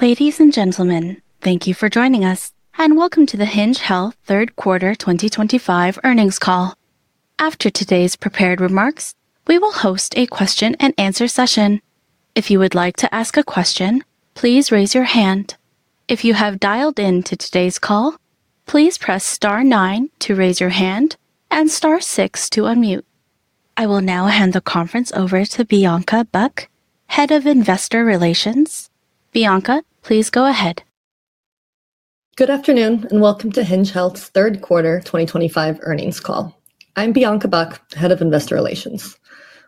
Ladies and gentlemen, thank you for joining us, and welcome to the Hinge Health third quarter 2025 earnings call. After today's prepared remarks, we will host a question-and-answer session. If you would like to ask a question, please raise your hand. If you have dialed in to today's call, please press star nine to raise your hand and star to unmute. I will now hand the conference over to Bianca Buck, Head of Investor Relations. Bianca, please go ahead. Good afternoon, and welcome to Hinge Health Q3 2025 earnings call. I'm Bianca Buck, Head of Investor Relations.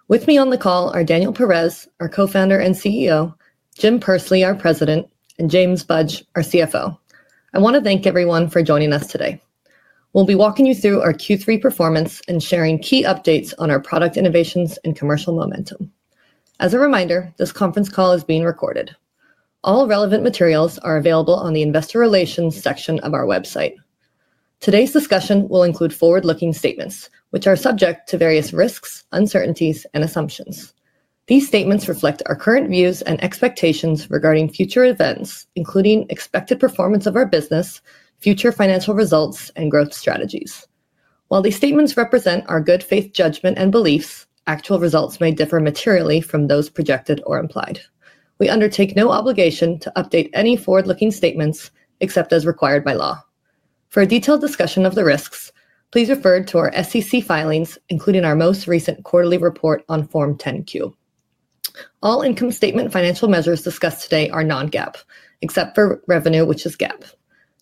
With me on the call are Daniel Perez, our Co-Founder and CEO, Jim Pursley, our President, and James Budge, our CFO. I want to thank everyone for joining us today. We'll be walking you through our Q3 performance and sharing key updates on our product innovations and commercial momentum. As a reminder, this conference call is being recorded. All relevant materials are available on the Investor Relations section of our website. Today's discussion will include forward-looking statements, which are subject to various risks, uncertainties, and assumptions. These statements reflect our current views and expectations regarding future events, including expected performance of our business, future financial results, and growth strategies. While these statements represent our good faith judgment and beliefs, actual results may differ materially from those projected or implied. We undertake no obligation to update any forward-looking statements except as required by law. For a detailed discussion of the risks, please refer to our SEC filings, including our most recent quarterly report on Form 10-Q. All income statement financial measures discussed today are non-GAAP, except for revenue, which is GAAP.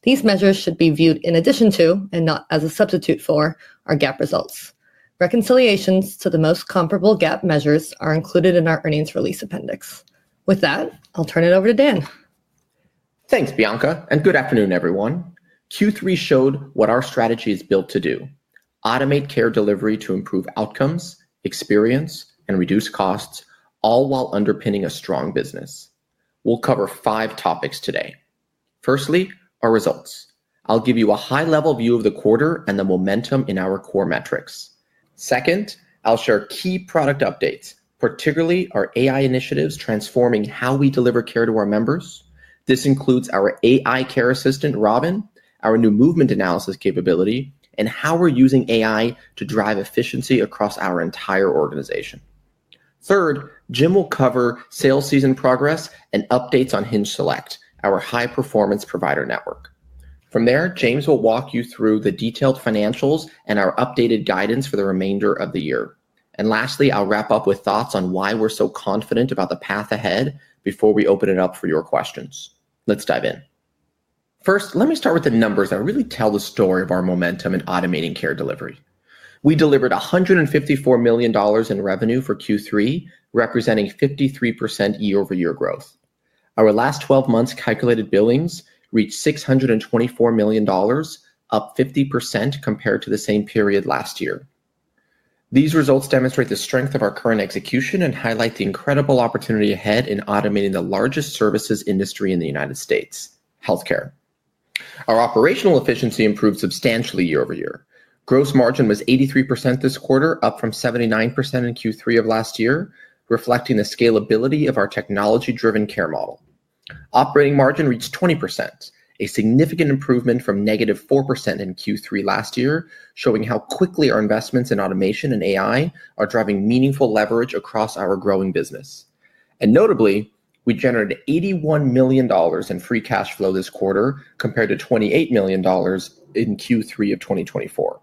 These measures should be viewed in addition to, and not as a substitute for, our GAAP results. Reconciliations to the most comparable GAAP measures are included in our earnings release appendix. With that, I'll turn it over to Dan. Thanks, Bianca, and good afternoon, everyone. Q3 showed what our strategy is built to do: automate care delivery to improve outcomes, experience, and reduce costs, all while underpinning a strong business. We'll cover five topics today. Firstly, our results. I'll give you a high-level view of the quarter and the momentum in our core metrics. Second, I'll share key product updates, particularly our AI initiatives transforming how we deliver care to our members. This includes our AI care assistant, Robin, our new movement analysis capability, and how we're using AI to drive efficiency across our entire organization. Third, Jim will cover sale season progress and updates on HingeSelect, our high-performance provider network. From there, James will walk you through the detailed financials and our updated guidance for the remainder of the year. And lastly, I'll wrap up with thoughts on why we're so confident about the path ahead before we open it up for your questions. Let's dive in. First, let me start with the numbers that really tell the story of our momentum in automating care delivery. We delivered $154 million in revenue for Q3, representing 53% year-over-year growth. Our last 12 months' calculated billings reached $624 million, up 50% compared to the same period last year. These results demonstrate the strength of our current execution and highlight the incredible opportunity ahead in automating the largest services industry in the United States: healthcare. Our operational efficiency improved substantially year-over-year. Gross margin was 83% this quarter, up from 79% in Q3 of last year, reflecting the scalability of our technology-driven care model. Operating margin reached 20%, a significant improvement from -4% in Q3 last year, showing how quickly our investments in automation and AI are driving meaningful leverage across our growing business. And notably, we generated $81 million in free cash flow this quarter compared to $28 million in Q3 of 2024.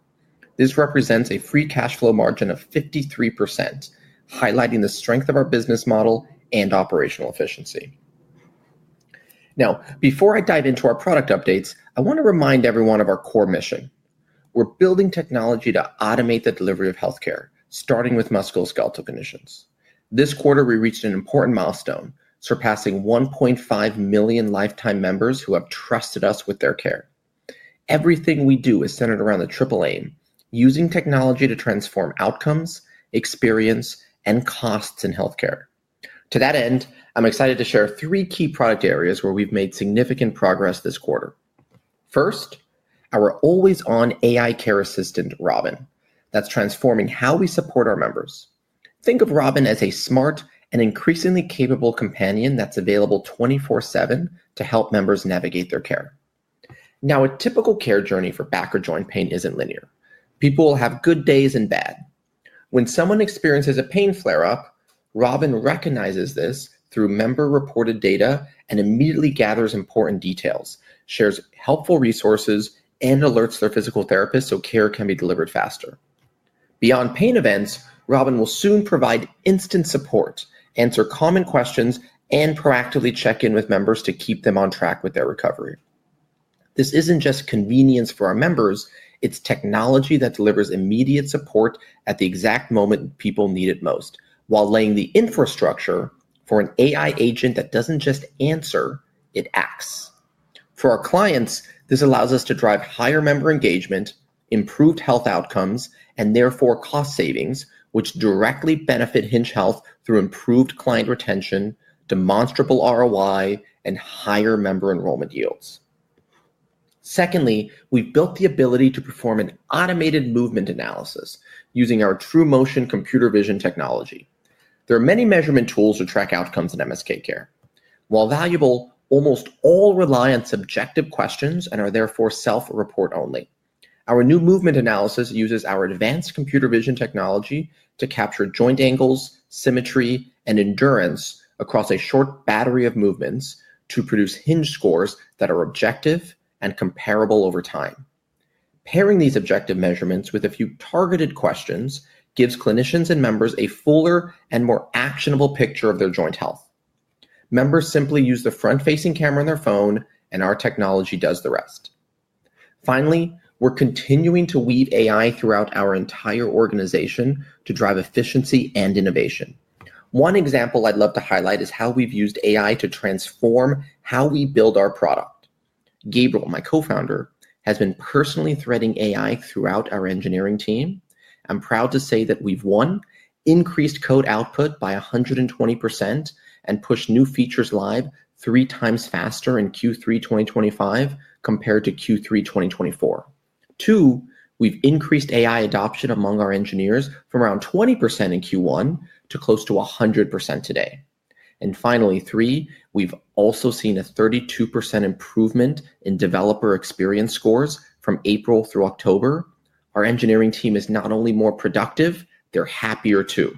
This represents a free cash flow margin of 53%. Highlighting the strength of our business model and operational efficiency. Now, before I dive into our product updates, I want to remind everyone of our core mission. We're building technology to automate the delivery of healthcare, starting with musculoskeletal conditions. This quarter, we reached an important milestone, surpassing 1.5 million lifetime members who have trusted us with their care. Everything we do is centered around the triple aim: using technology to transform outcomes, experience, and costs in healthcare. To that end, I'm excited to share three key product areas where we've made significant progress this quarter. First, our always-on AI care assistant, Robin, that's transforming how we support our members. Think of Robin as a smart and increasingly capable companion that's available 24/7 to help members navigate their care. Now, a typical care journey for back or joint pain isn't linear. People will have good days and bad. When someone experiences a pain flare-up, Robin recognizes this through member-reported data and immediately gathers important details, shares helpful resources, and alerts their physical therapist so care can be delivered faster. Beyond pain events, Robin will soon provide instant support, answer common questions, and proactively check in with members to keep them on track with their recovery. This isn't just convenience for our members. It's technology that delivers immediate support at the exact moment people need it most, while laying the infrastructure for an AI agent that doesn't just answer. It acts. For our clients, this allows us to drive higher member engagement, improved health outcomes, and therefore cost savings, which directly benefit Hinge Health through improved client retention, demonstrable ROI, and higher member enrollment yields. Secondly, we've built the ability to perform an automated movement analysis using our TrueMotion computer vision technology. There are many measurement tools to track outcomes in MSK care. While valuable, almost all rely on subjective questions and are therefore self-report only. Our new movement analysis uses our advanced computer vision technology to capture joint angles, symmetry, and endurance across a short battery of movements to produce Hinge scores that are objective and comparable over time. Pairing these objective measurements with a few targeted questions gives clinicians and members a fuller and more actionable picture of their joint health. Members simply use the front-facing camera in their phone, and our technology does the rest. Finally, we're continuing to weave AI throughout our entire organization to drive efficiency and innovation. One example I'd love to highlight is how we've used AI to transform how we build our product. Gabriel, my co-founder, has been personally threading AI throughout our engineering team. I'm proud to say that we've one, increased code output by 120% and pushed new features live three times faster in Q3 2025 compared to Q3 2024. Two, we've increased AI adoption among our engineers from around 20% in Q1 to close to 100% today. And finally, three, we've also seen a 32% improvement in developer experience scores from April through October. Our engineering team is not only more productive. They're happier too.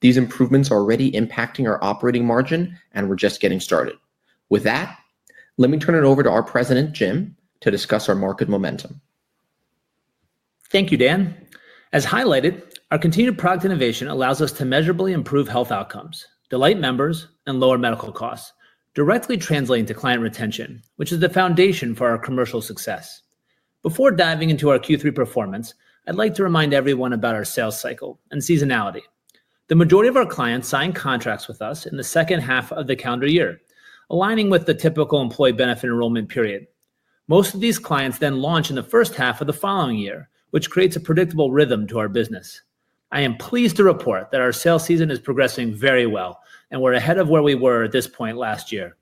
These improvements are already impacting our operating margin, and we're just getting started. With that, let me turn it over to our President, Jim, to discuss our market momentum. Thank you, Dan. As highlighted, our continued product innovation allows us to measurably improve health outcomes, delight members, and lower medical costs, directly translating to client retention, which is the foundation for our commercial success. Before diving into our Q3 performance, I'd like to remind everyone about our sales cycle and seasonality. The majority of our clients sign contracts with us in the second half of the calendar year, aligning with the typical employee benefit enrollment period. Most of these clients then launch in the first half of the following year, which creates a predictable rhythm to our business. I am pleased to report that our sales season is progressing very well, and we're ahead of where we were at this point last year.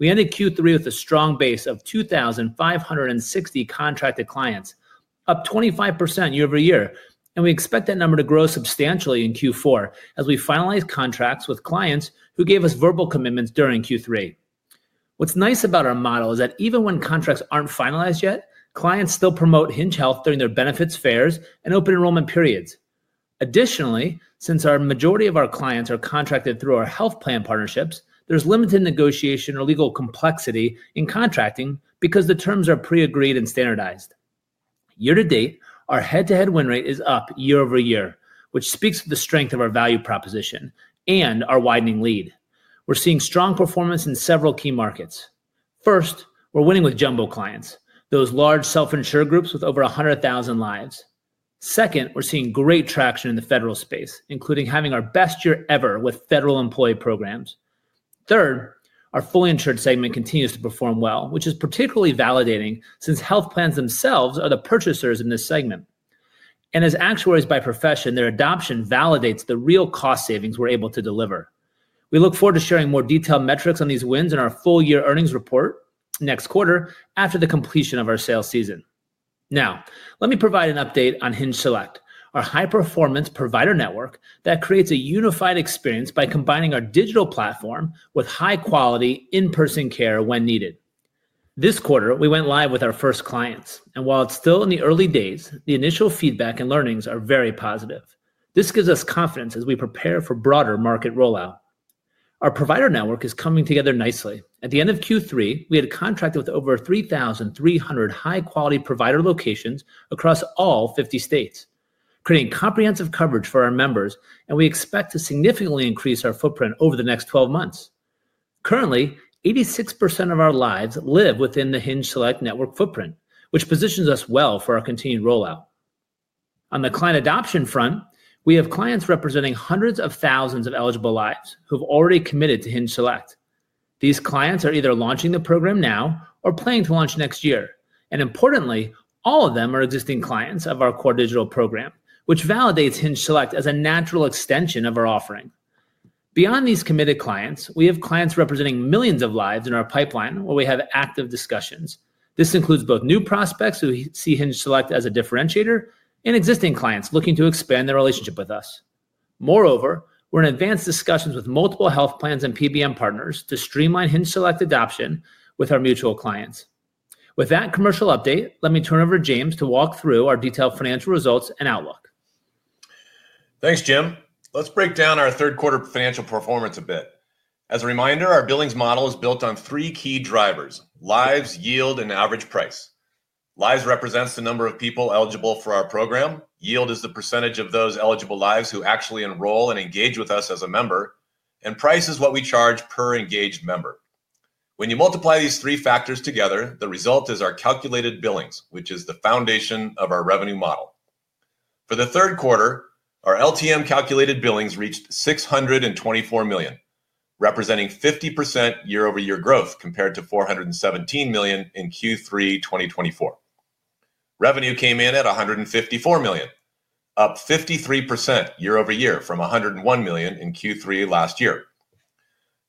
We ended Q3 with a strong base of 2,560 contracted clients, up 25% year-over-year, and we expect that number to grow substantially in Q4 as we finalize contracts with clients who gave us verbal commitments during Q3. What's nice about our model is that even when contracts aren't finalized yet, clients still promote Hinge Health during their benefits fairs and open enrollment periods. Additionally, since the majority of our clients are contracted through our health plan partnerships, there's limited negotiation or legal complexity in contracting because the terms are pre-agreed and standardized. Year-to-date, our head-to-head win rate is up year-over-year, which speaks to the strength of our value proposition and our widening lead. We're seeing strong performance in several key markets. First, we're winning with jumbo clients, those large self-insured groups with over 100,000 lives. Second, we're seeing great traction in the federal space, including having our best year ever with federal employee programs. Third, our fully insured segment continues to perform well, which is particularly validating since health plans themselves are the purchasers in this segment. And as actuaries by profession, their adoption validates the real cost savings we're able to deliver. We look forward to sharing more detailed metrics on these wins in our full-year earnings report next quarter after the completion of our sales season. Now, let me provide an update on HingeSelect, our high-performance provider network that creates a unified experience by combining our digital platform with high-quality in-person care when needed. This quarter, we went live with our first clients, and while it's still in the early days, the initial feedback and learnings are very positive. This gives us confidence as we prepare for broader market rollout. Our provider network is coming together nicely. At the end of Q3, we had contracted with over 3,300 high-quality provider locations across all 50 states, creating comprehensive coverage for our members, and we expect to significantly increase our footprint over the next 12 months. Currently, 86% of our lives live within the HingeSelect network footprint, which positions us well for our continued rollout. On the client adoption front, we have clients representing hundreds of thousands of eligible lives who have already committed to HingeSelect. These clients are either launching the program now or planning to launch next year. And importantly, all of them are existing clients of our core digital program, which validates HingeSelect as a natural extension of our offering. Beyond these committed clients, we have clients representing millions of lives in our pipeline where we have active discussions. This includes both new prospects who see HingeSelect as a differentiator and existing clients looking to expand their relationship with us. Moreover, we're in advanced discussions with multiple health plans and PBM partners to streamline HingeSelect adoption with our mutual clients. With that commercial update, let me turn it over to James to walk through our detailed financial results and outlook. Thanks, Jim. Let's break down our third quarter financial performance a bit. As a reminder, our billings model is built on three key drivers: lives, yield, and average price. Lives represents the number of people eligible for our program. Yield is the percentage of those eligible lives who actually enroll and engage with us as a member, and price is what we charge per engaged member. When you multiply these three factors together, the result is our calculated billings, which is the foundation of our revenue model. For the third quarter, our LTM calculated billings reached $624 million, representing 50% year-over-year growth compared to $417 million in Q3 2024. Revenue came in at $154 million, up 53% year-over-year from $101 million in Q3 last year.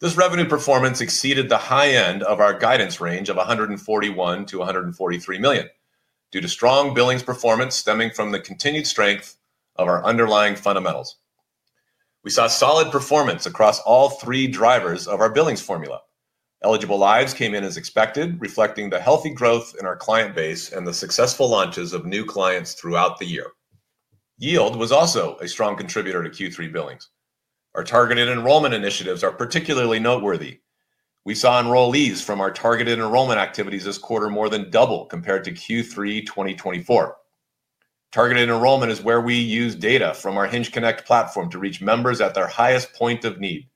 This revenue performance exceeded the high end of our guidance range of $141 million-$143 million due to strong billings performance stemming from the continued strength of our underlying fundamentals. We saw solid performance across all three drivers of our billings formula. Eligible lives came in as expected, reflecting the healthy growth in our client base and the successful launches of new clients throughout the year. Yield was also a strong contributor to Q3 billings. Our targeted enrollment initiatives are particularly noteworthy. We saw enrollees from our targeted enrollment activities this quarter more than double compared to Q3 2024. Targeted enrollment is where we use data from our HingeConnect platform to reach members at their highest point of need.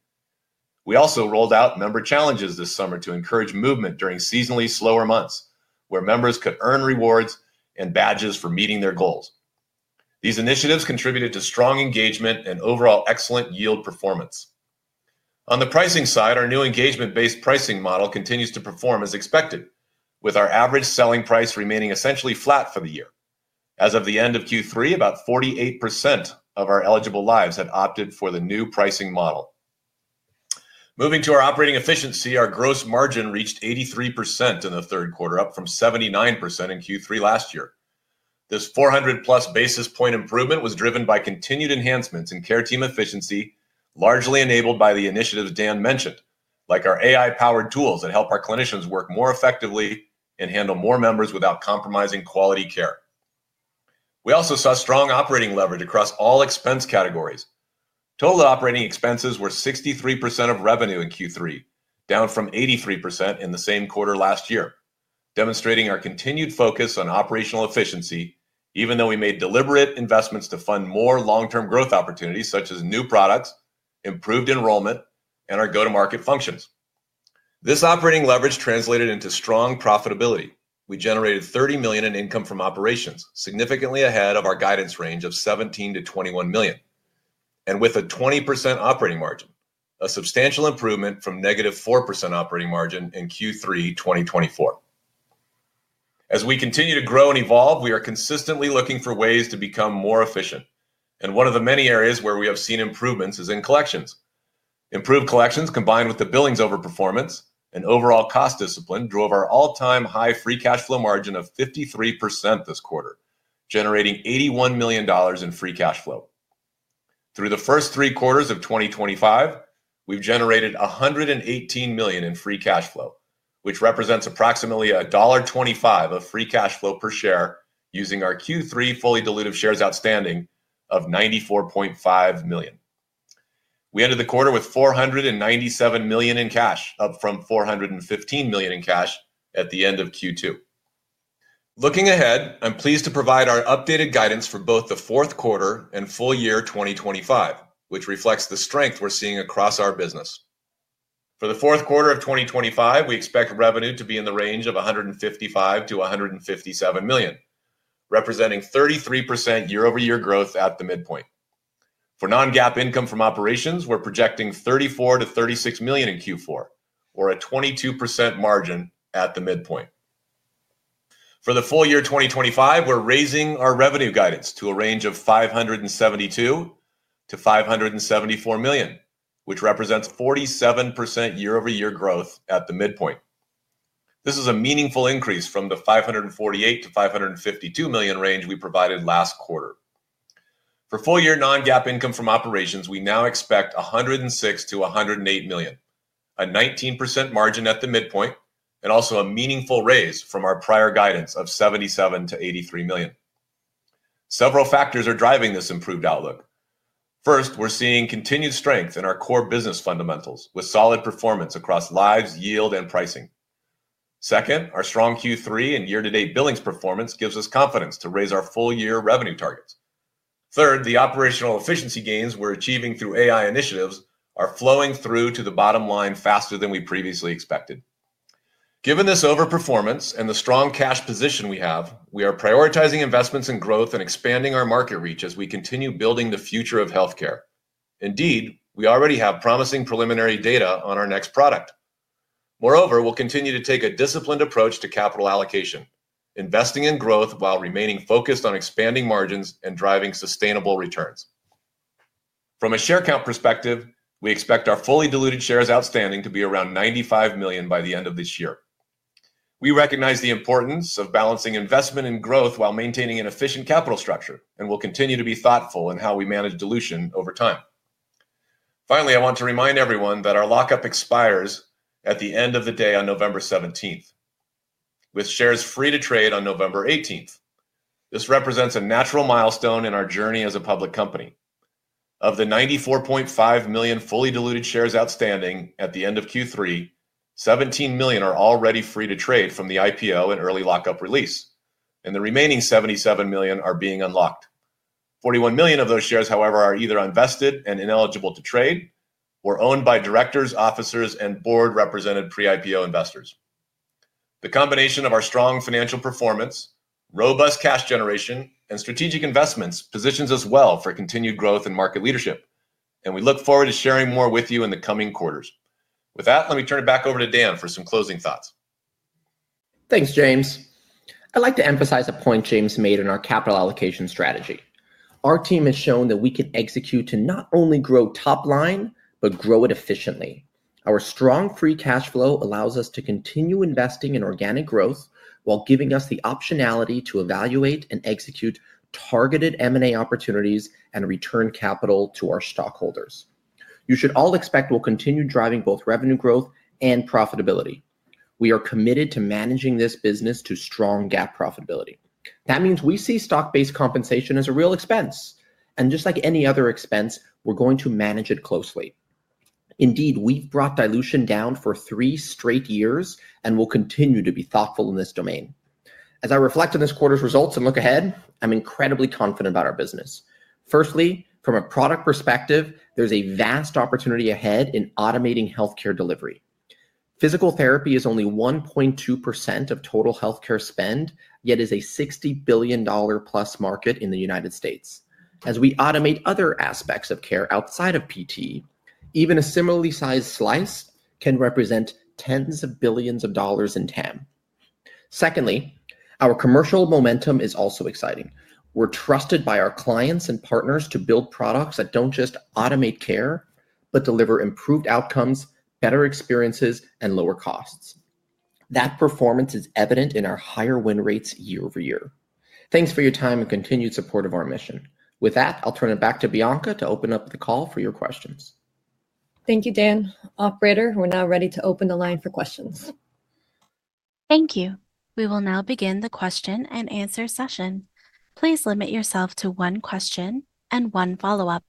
We also rolled out member challenges this summer to encourage movement during seasonally slower months, where members could earn rewards and badges for meeting their goals. These initiatives contributed to strong engagement and overall excellent yield performance. On the pricing side, our new engagement-based pricing model continues to perform as expected, with our average selling price remaining essentially flat for the year. As of the end of Q3, about 48% of our eligible lives had opted for the new pricing model. Moving to our operating efficiency, our gross margin reached 83% in the third quarter, up from 79% in Q3 last year. This 400+ basis points improvement was driven by continued enhancements in care team efficiency, largely enabled by the initiatives Dan mentioned, like our AI-powered tools that help our clinicians work more effectively and handle more members without compromising quality care. We also saw strong operating leverage across all expense categories. Total operating expenses were 63% of revenue in Q3, down from 83% in the same quarter last year, demonstrating our continued focus on operational efficiency, even though we made deliberate investments to fund more long-term growth opportunities such as new products, improved enrollment, and our go-to-market functions. This operating leverage translated into strong profitability. We generated $30 million in income from operations, significantly ahead of our guidance range of $17 million-$21 million, and with a 20% operating margin, a substantial improvement from -4% operating margin in Q3 2024. As we continue to grow and evolve, we are consistently looking for ways to become more efficient. And one of the many areas where we have seen improvements is in collections. Improved collections, combined with the billings over performance and overall cost discipline, drove our all-time high free cash flow margin of 53% this quarter, generating $81 million in free cash flow. Through the first three quarters of 2025, we've generated $118 million in free cash flow, which represents approximately $1.25 of free cash flow per share using our Q3 fully diluted shares outstanding of 94.5 million. We ended the quarter with $497 million in cash, up from $415 million in cash at the end of Q2. Looking ahead, I'm pleased to provide our updated guidance for both the fourth quarter and full year 2025, which reflects the strength we're seeing across our business. For the fourth quarter of 2025, we expect revenue to be in the range of $155 million-$157 million, representing 33% year-over-year growth at the midpoint. For non-GAAP income from operations, we're projecting $34 million-$36 million in Q4, or a 22% margin at the midpoint. For the full year 2025, we're raising our revenue guidance to a range of $572 million-$574 million, which represents 47% year-over-year growth at the midpoint. This is a meaningful increase from the $548 million-$552 million range we provided last quarter. For full year non-GAAP income from operations, we now expect $106 million-$108 million, a 19% margin at the midpoint, and also a meaningful raise from our prior guidance of $77 million-$83 million. Several factors are driving this improved outlook. First, we're seeing continued strength in our core business fundamentals with solid performance across lives, yield, and pricing. Second, our strong Q3 and year-to-date billings performance gives us confidence to raise our full year revenue targets. Third, the operational efficiency gains we're achieving through AI initiatives are flowing through to the bottom line faster than we previously expected. Given this overperformance and the strong cash position we have, we are prioritizing investments in growth and expanding our market reach as we continue building the future of healthcare. Indeed, we already have promising preliminary data on our next product. Moreover, we'll continue to take a disciplined approach to capital allocation, investing in growth while remaining focused on expanding margins and driving sustainable returns. From a share count perspective, we expect our fully diluted shares outstanding to be around 95 million by the end of this year. We recognize the importance of balancing investment and growth while maintaining an efficient capital structure, and we'll continue to be thoughtful in how we manage dilution over time. Finally, I want to remind everyone that our lockup expires at the end of the day on November 17th, with shares free to trade on November 18th. This represents a natural milestone in our journey as a public company. Of the 94.5 million fully diluted shares outstanding at the end of Q3, 17 million are already free to trade from the IPO and early lockup release, and the remaining 77 million are being unlocked. 41 million of those shares, however, are either unvested and ineligible to trade or owned by directors, officers, and board-represented pre-IPO investors. The combination of our strong financial performance, robust cash generation, and strategic investments positions us well for continued growth and market leadership, and we look forward to sharing more with you in the coming quarters. With that, let me turn it back over to Dan for some closing thoughts. Thanks, James. I'd like to emphasize a point James made in our capital allocation strategy. Our team has shown that we can execute to not only grow top line, but grow it efficiently. Our strong free cash flow allows us to continue investing in organic growth while giving us the optionality to evaluate and execute targeted M&A opportunities and return capital to our stockholders. You should all expect we'll continue driving both revenue growth and profitability. We are committed to managing this business to strong GAAP profitability. That means we see stock-based compensation as a real expense, and just like any other expense, we're going to manage it closely. Indeed, we've brought dilution down for three straight years and will continue to be thoughtful in this domain. As I reflect on this quarter's results and look ahead, I'm incredibly confident about our business. Firstly, from a product perspective, there's a vast opportunity ahead in automating healthcare delivery. Physical therapy is only 1.2% of total healthcare spend, yet is a $60 billion+ market in the United States. As we automate other aspects of care outside of PT, even a similarly sized slice can represent tens of billions of dollars in TAM. Secondly, our commercial momentum is also exciting. We're trusted by our clients and partners to build products that don't just automate care, but deliver improved outcomes, better experiences, and lower costs. That performance is evident in our higher win rates year over year. Thanks for your time and continued support of our mission. With that, I'll turn it back to Bianca to open up the call for your questions. Thank you, Dan. Operator, we're now ready to open the line for questions. Thank you. We will now begin the question and answer session. Please limit yourself to one question and one follow-up.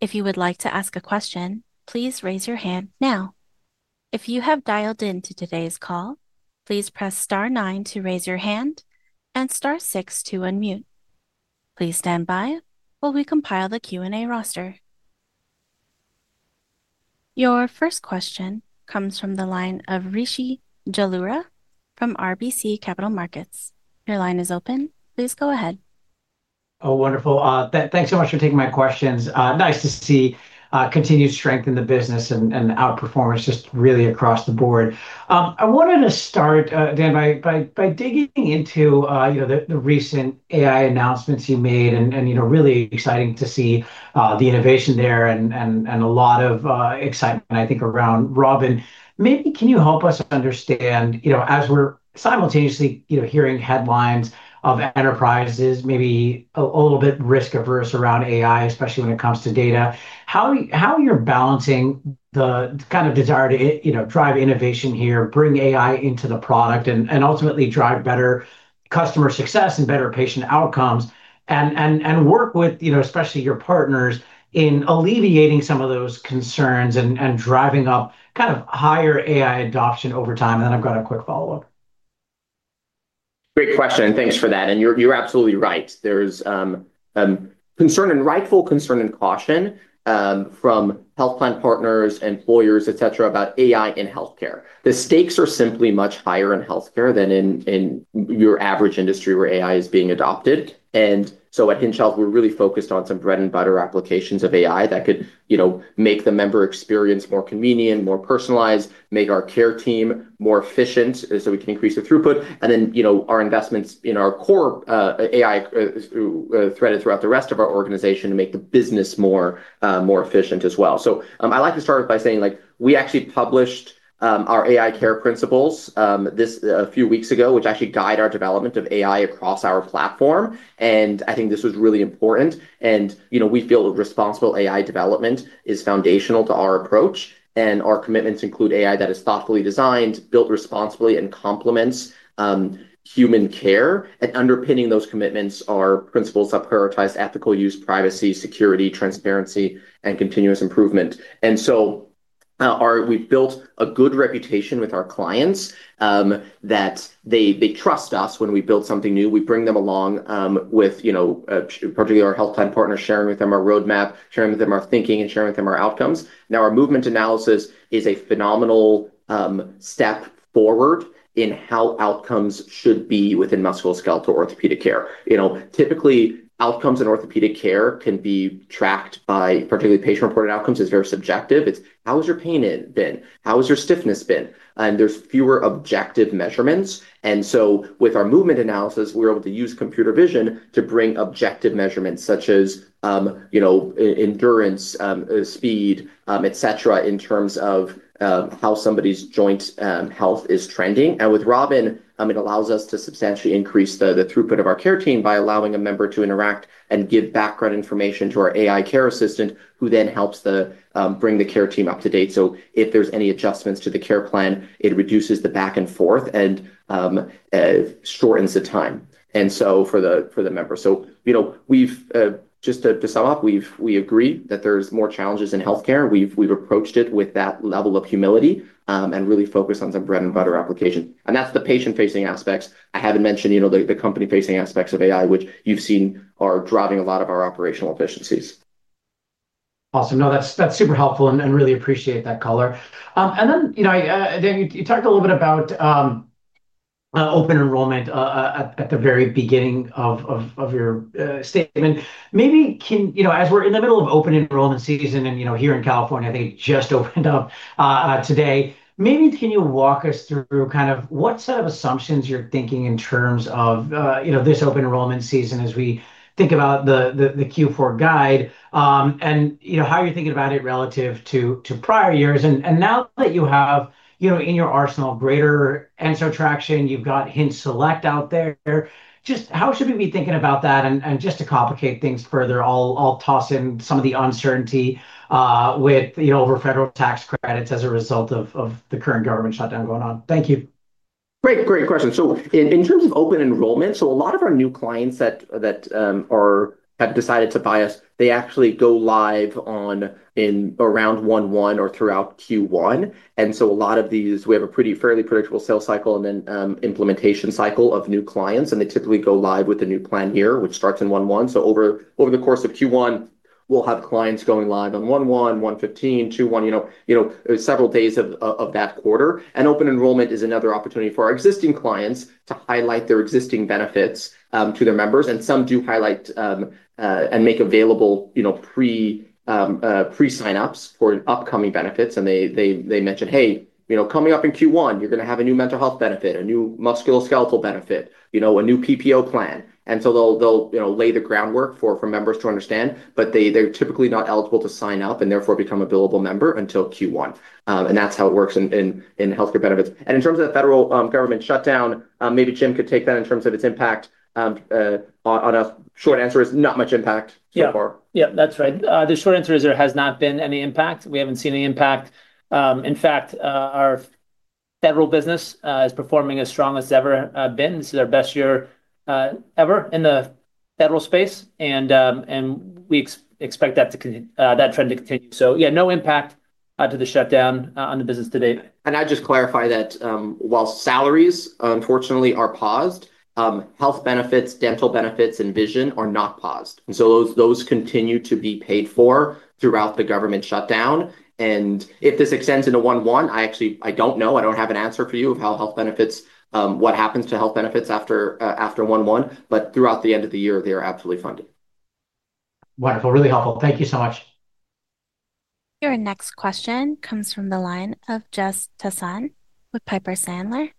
If you would like to ask a question, please raise your hand now. If you have dialed into today's call, please press star nine to raise your hand and star six to unmute. Please stand by while we compile the Q&A roster. Your first question comes from the line of Rishi Jaluria from RBC Capital Markets. Your line is open. Please go ahead. Oh, wonderful. Thanks so much for taking my questions. Nice to see continued strength in the business and outperformance just really across the board. I wanted to start, Dan, by digging into the recent AI announcements you made, and really exciting to see the innovation there and a lot of excitement, I think, around Robin. Maybe can you help us understand, as we're simultaneously hearing headlines of enterprises, maybe a little bit risk-averse around AI, especially when it comes to data, how are you balancing the kind of desire to drive innovation here, bring AI into the product, and ultimately drive better customer success and better patient outcomes, and work with especially your partners in alleviating some of those concerns and driving up kind of higher AI adoption over time? And then I've got a quick follow-up. Great question. Thanks for that. And you're absolutely right. There's concern and rightful concern and caution from health plan partners, employers, et cetera, about AI in healthcare. The stakes are simply much higher in healthcare than in your average industry where AI is being adopted. And so at Hinge Health, we're really focused on some bread-and-butter applications of AI that could make the member experience more convenient, more personalized, make our care team more efficient so we can increase the throughput, and then our investments in our core AI threaded throughout the rest of our organization to make the business more efficient as well. So I'd like to start by saying we actually published our AI care principles a few weeks ago, which actually guide our development of AI across our platform. And I think this was really important. And we feel that responsible AI development is foundational to our approach. And our commitments include AI that is thoughtfully designed, built responsibly, and complements human care. And underpinning those commitments are principles of prioritized ethical use, privacy, security, transparency, and continuous improvement. And so we've built a good reputation with our clients that they trust us when we build something new. We bring them along with particularly our health plan partners, sharing with them our roadmap, sharing with them our thinking, and sharing with them our outcomes. Now, our movement analysis is a phenomenal step forward in how outcomes should be within musculoskeletal orthopedic care. Typically, outcomes in orthopedic care can be tracked by particularly patient-reported outcomes. It's very subjective. It's how has your pain been? How has your stiffness been? And there's fewer objective measurements. And so with our movement analysis, we're able to use computer vision to bring objective measurements such as endurance, speed, et cetera, in terms of how somebody's joint health is trending. And with Robin, it allows us to substantially increase the throughput of our care team by allowing a member to interact and give background information to our AI care assistant, who then helps bring the care team up to date. So if there's any adjustments to the care plan, it reduces the back and forth and shortens the time. And so for the member. So just to sum up, we agree that there's more challenges in healthcare. We've approached it with that level of humility and really focused on some bread-and-butter applications. And that's the patient-facing aspects. I haven't mentioned the company-facing aspects of AI, which you've seen are driving a lot of our operational efficiencies. Awesome. No, that's super helpful and really appreciate that color. And then you talked a little bit about open enrollment at the very beginning of your statement. Maybe as we're in the middle of open enrollment season and here in California, I think it just opened up today, maybe can you walk us through kind of what set of assumptions you're thinking in terms of this open enrollment season as we think about the Q4 guide and how you're thinking about it relative to prior years? And now that you have in your arsenal greater Enso traction, you've got HingeSelect out there, just how should we be thinking about that? And just to complicate things further, I'll toss in some of the uncertainty with other federal tax credits as a result of the current government shutdown going on. Thank you. Great, great question, so in terms of open enrollment, so a lot of our new clients that have decided to buy us, they actually go live around Q1 or throughout Q1. And so a lot of these, we have a pretty fairly predictable sales cycle and then implementation cycle of new clients, and they typically go live with a new plan year, which starts in Q1. So over the course of Q1, we'll have clients going live on January 1, January 15, February 1, several days of that quarter. And open enrollment is another opportunity for our existing clients to highlight their existing benefits to their members, and some do highlight and make available pre-sign-ups for upcoming benefits. And they mention, "Hey, coming up in Q1, you're going to have a new mental health benefit, a new musculoskeletal benefit, a new PPO plan." And so they'll lay the groundwork for members to understand, but they're typically not eligible to sign up and therefore become a billable member until Q1. And that's how it works in healthcare benefits. And in terms of the federal government shutdown, maybe Jim could take that in terms of its impact on a short answer, it's not much impact so far. Yeah, that's right. The short answer is there has not been any impact. We haven't seen any impact. In fact, our federal business is performing as strong as it's ever been. This is our best year ever in the federal space. We expect that trend to continue. So yeah, no impact to the shutdown on the business today. And I'd just clarify that while salaries, unfortunately, are paused, health benefits, dental benefits, and vision are not paused. And so those continue to be paid for throughout the government shutdown. And if this extends into January 1, I actually, I don't know. I don't have an answer for you of how health benefits, what happens to health benefits after January 1, but throughout the end of the year, they are absolutely funded. Wonderful. Really helpful. Thank you so much. Your next question comes from the line of Jess Tassan with Piper Sandler.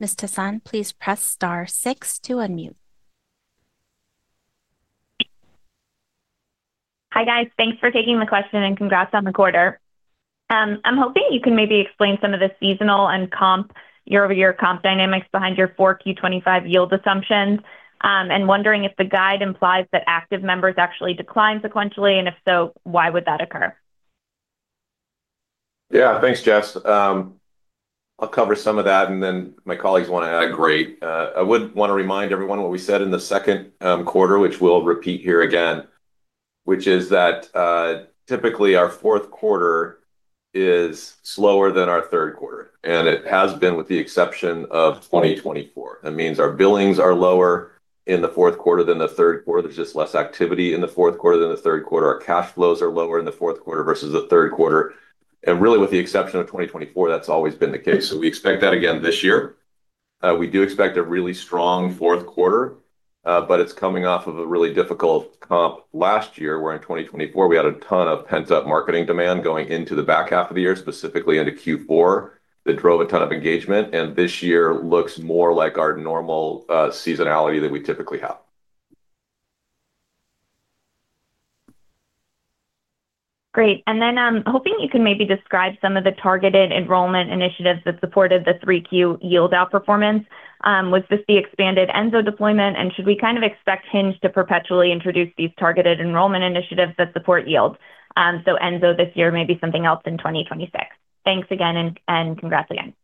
Ms. Tassan, please press star six to unmute. Hi guys. Thanks for taking the question and congrats on the quarter. I'm hoping you can maybe explain some of the seasonal and comp year-over-year comp dynamics behind your 4Q 2025 yield assumptions and wondering if the guide implies that active members actually decline sequentially, and if so, why would that occur? Yeah, thanks, Jess. I'll cover some of that, and then my colleagues want to add a grade. I would want to remind everyone what we said in the second quarter, which we'll repeat here again, which is that. Typically, our fourth quarter is slower than our third quarter, and it has been with the exception of 2024. That means our billings are lower in the fourth quarter than the third quarter. There's just less activity in the fourth quarter than the third quarter. Our cash flows are lower in the fourth quarter versus the third quarter. And really, with the exception of 2024, that's always been the case. So we expect that again this year. We do expect a really strong fourth quarter, but it's coming off of a really difficult comp last year where in 2024, we had a ton of pent-up marketing demand going into the back half of the year, specifically into Q4 that drove a ton of engagement. And this year looks more like our normal seasonality that we typically have. Great. And then I'm hoping you can maybe describe some of the targeted enrollment initiatives that supported the Q3 yield outperformance. Was this the expanded Enso deployment, and should we kind of expect Hinge to perpetually introduce these targeted enrollment initiatives that support yield? So Enso this year, maybe something else in 2026. Thanks again and congrats again.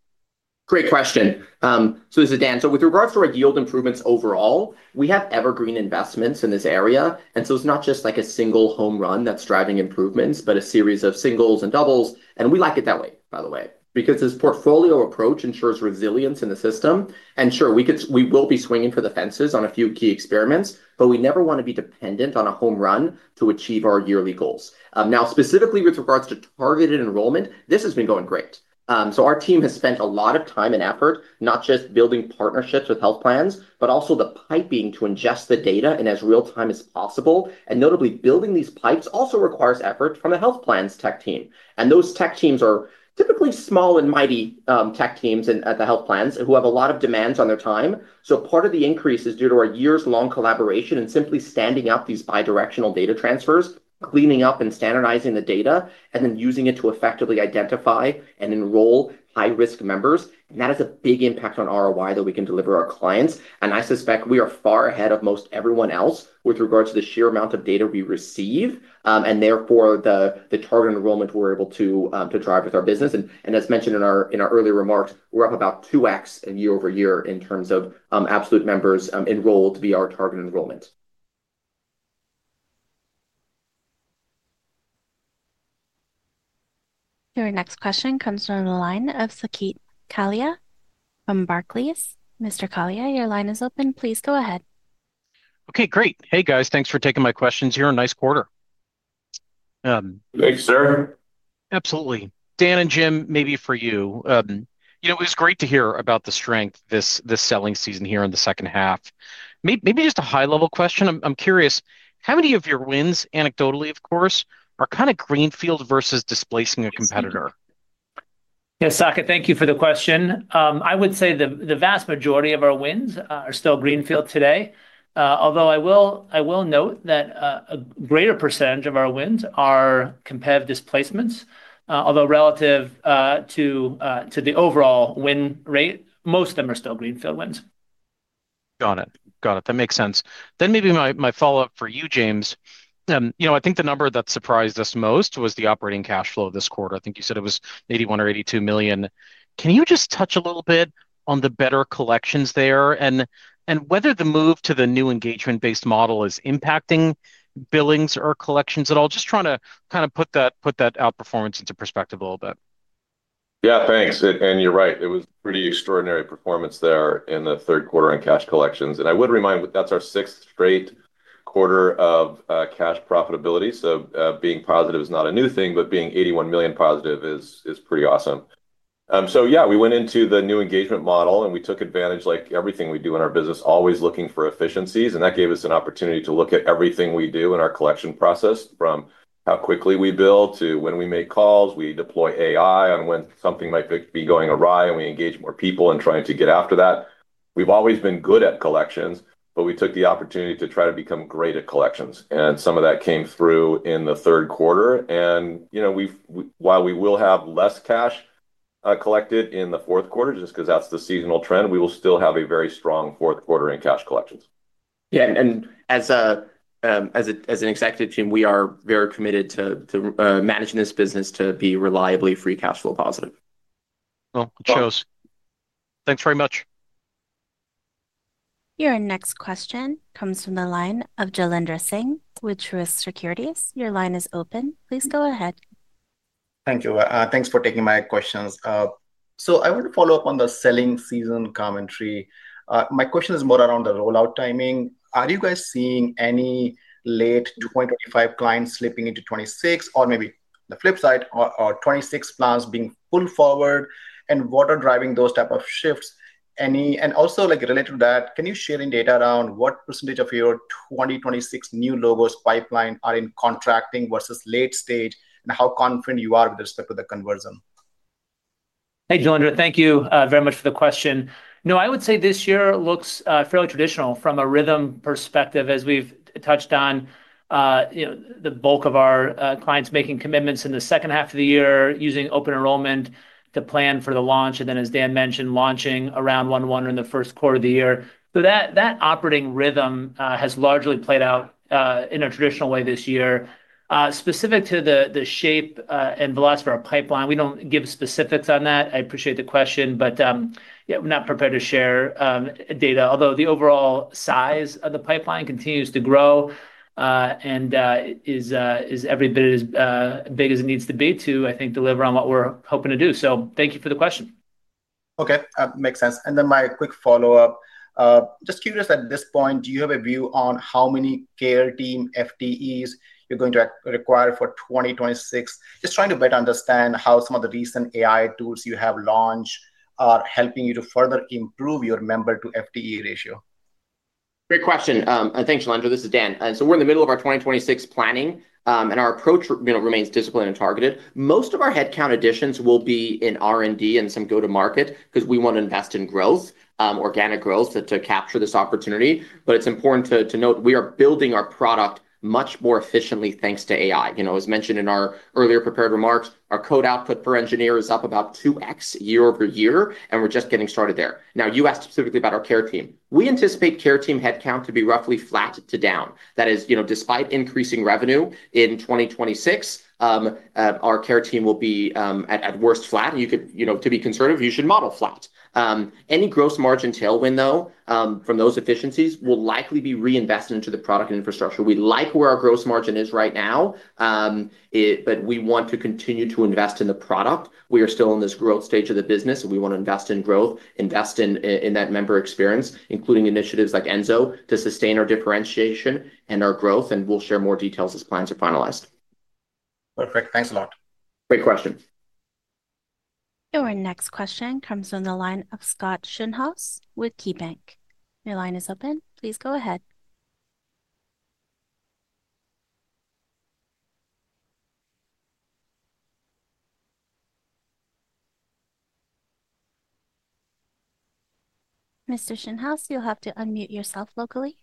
Great question. So this is Dan. So with regards to our yield improvements overall, we have evergreen investments in this area. And so it's not just like a single home run that's driving improvements, but a series of singles and doubles. And we like it that way, by the way, because this portfolio approach ensures resilience in the system. And sure, we will be swinging for the fences on a few key experiments, but we never want to be dependent on a home run to achieve our yearly goals. Now, specifically with regards to targeted enrollment, this has been going great. So our team has spent a lot of time and effort, not just building partnerships with health plans, but also the piping to ingest the data and as real-time as possible. And notably, building these pipes also requires effort from the health plans' tech team. And those tech teams are typically small and mighty tech teams at the health plans who have a lot of demands on their time. So part of the increase is due to our years-long collaboration and simply standing up these bidirectional data transfers, cleaning up and standardizing the data, and then using it to effectively identify and enroll high-risk members. And that has a big impact on ROI that we can deliver our clients. And I suspect we are far ahead of most everyone else with regards to the sheer amount of data we receive and therefore the target enrollment we're able to drive with our business. And as mentioned in our earlier remarks, we're up about 2X year over year in terms of absolute members enrolled via our target enrollment. Your next question comes from the line of Saket Kalia from Barclays. Mr. Kalia, your line is open. Please go ahead. Okay, great. Hey guys, thanks for taking my questions here. Nice quarter. Thanks, sir. Absolutely. Dan and Jim, maybe for you. It was great to hear about the strength this selling season here in the second half. Maybe just a high-level question. I'm curious, how many of your wins, anecdotally, of course, are kind of Greenfield versus displacing a competitor? Yes, Saket, thank you for the question. I would say the vast majority of our wins are still Greenfield today. Although I will note that. A greater percentage of our wins are competitive displacements. Although relative to. The overall win rate, most of them are still Greenfield wins. Got it. Got it. That makes sense. Then maybe my follow-up for you, James. I think the number that surprised us most was the operating cash flow this quarter. I think you said it was $81 million or $82 million. Can you just touch a little bit on the better collections there and whether the move to the new engagement-based model is impacting billings or collections at all? Just trying to kind of put that outperformance into perspective a little bit. Yeah, thanks. And you're right. It was pretty extraordinary performance there in the third quarter on cash collections. And I would remind you that's our sixth straight quarter of cash profitability. So being positive is not a new thing, but being $81 million positive is pretty awesome. So yeah, we went into the new engagement model and we took advantage like everything we do in our business, always looking for efficiencies. And that gave us an opportunity to look at everything we do in our collection process, from how quickly we bill to when we make calls. We deploy AI on when something might be going awry and we engage more people in trying to get after that. We've always been good at collections, but we took the opportunity to try to become great at collections. And some of that came through in the third quarter. And while we will have less cash collected in the fourth quarter, just because that's the seasonal trend, we will still have a very strong fourth quarter in cash collections. Yeah. As an executive team, we are very committed to managing this business to be reliably free cash flow positive. Well, it shows. Thanks very much. Your next question comes from the line of Jailendra Singh with Truist Securities. Your line is open. Please go ahead. Thank you. Thanks for taking my questions. So I want to follow up on the selling season commentary. My question is more around the rollout timing. Are you guys seeing any late 2025 clients slipping into 2026, or maybe the flip side, or 2026 plans being pulled forward, and what are driving those types of shifts? And also related to that, can you share in data around what percentage of your 2026 new logos pipeline are in contracting versus late stage, and how confident you are with respect to the conversion? Hey, Jailendra, thank you very much for the question. No, I would say this year looks fairly traditional from a rhythm perspective, as we've touched on. The bulk of our clients making commitments in the second half of the year, using open enrollment to plan for the launch, and then, as Dan mentioned, launching around January 1 in the first quarter of the year. So that operating rhythm has largely played out in a traditional way this year. Specific to the shape and velocity of our pipeline, we don't give specifics on that. I appreciate the question, but we're not prepared to share data. Although the overall size of the pipeline continues to grow and is every bit as big as it needs to be to, I think, deliver on what we're hoping to do. So thank you for the question. Okay, makes sense. And then my quick follow-up. Just curious at this point, do you have a view on how many care team FTEs you're going to require for 2026? Just trying to better understand how some of the recent AI tools you have launched are helping you to further improve your member-to-FTE ratio. Great question, and thanks, Jailendra. This is Dan. And so we're in the middle of our 2026 planning, and our approach remains disciplined and targeted. Most of our headcount additions will be in R&D and some go-to-market because we want to invest in growth, organic growth to capture this opportunity. But it's important to note we are building our product much more efficiently thanks to AI. As mentioned in our earlier prepared remarks, our code output per engineer is up about 2X year over year, and we're just getting started there. Now, you asked specifically about our care team. We anticipate care team headcount to be roughly flat to down. That is, despite increasing revenue in 2026. Our care team will be at worst flat. And to be conservative, you should model flat. Any gross margin tailwind, though, from those efficiencies will likely be reinvested into the product and infrastructure. We like where our gross margin is right now. But we want to continue to invest in the product. We are still in this growth stage of the business, and we want to invest in growth, invest in that member experience, including initiatives like Enso to sustain our differentiation and our growth. And we'll share more details as plans are finalized. Perfect. Thanks a lot. Great question. Your next question comes from the line of Scott Schoenhaus with KeyBanc. Your line is open. Please go ahead. Mr. Schoenhaus, you'll have to unmute yourself locally.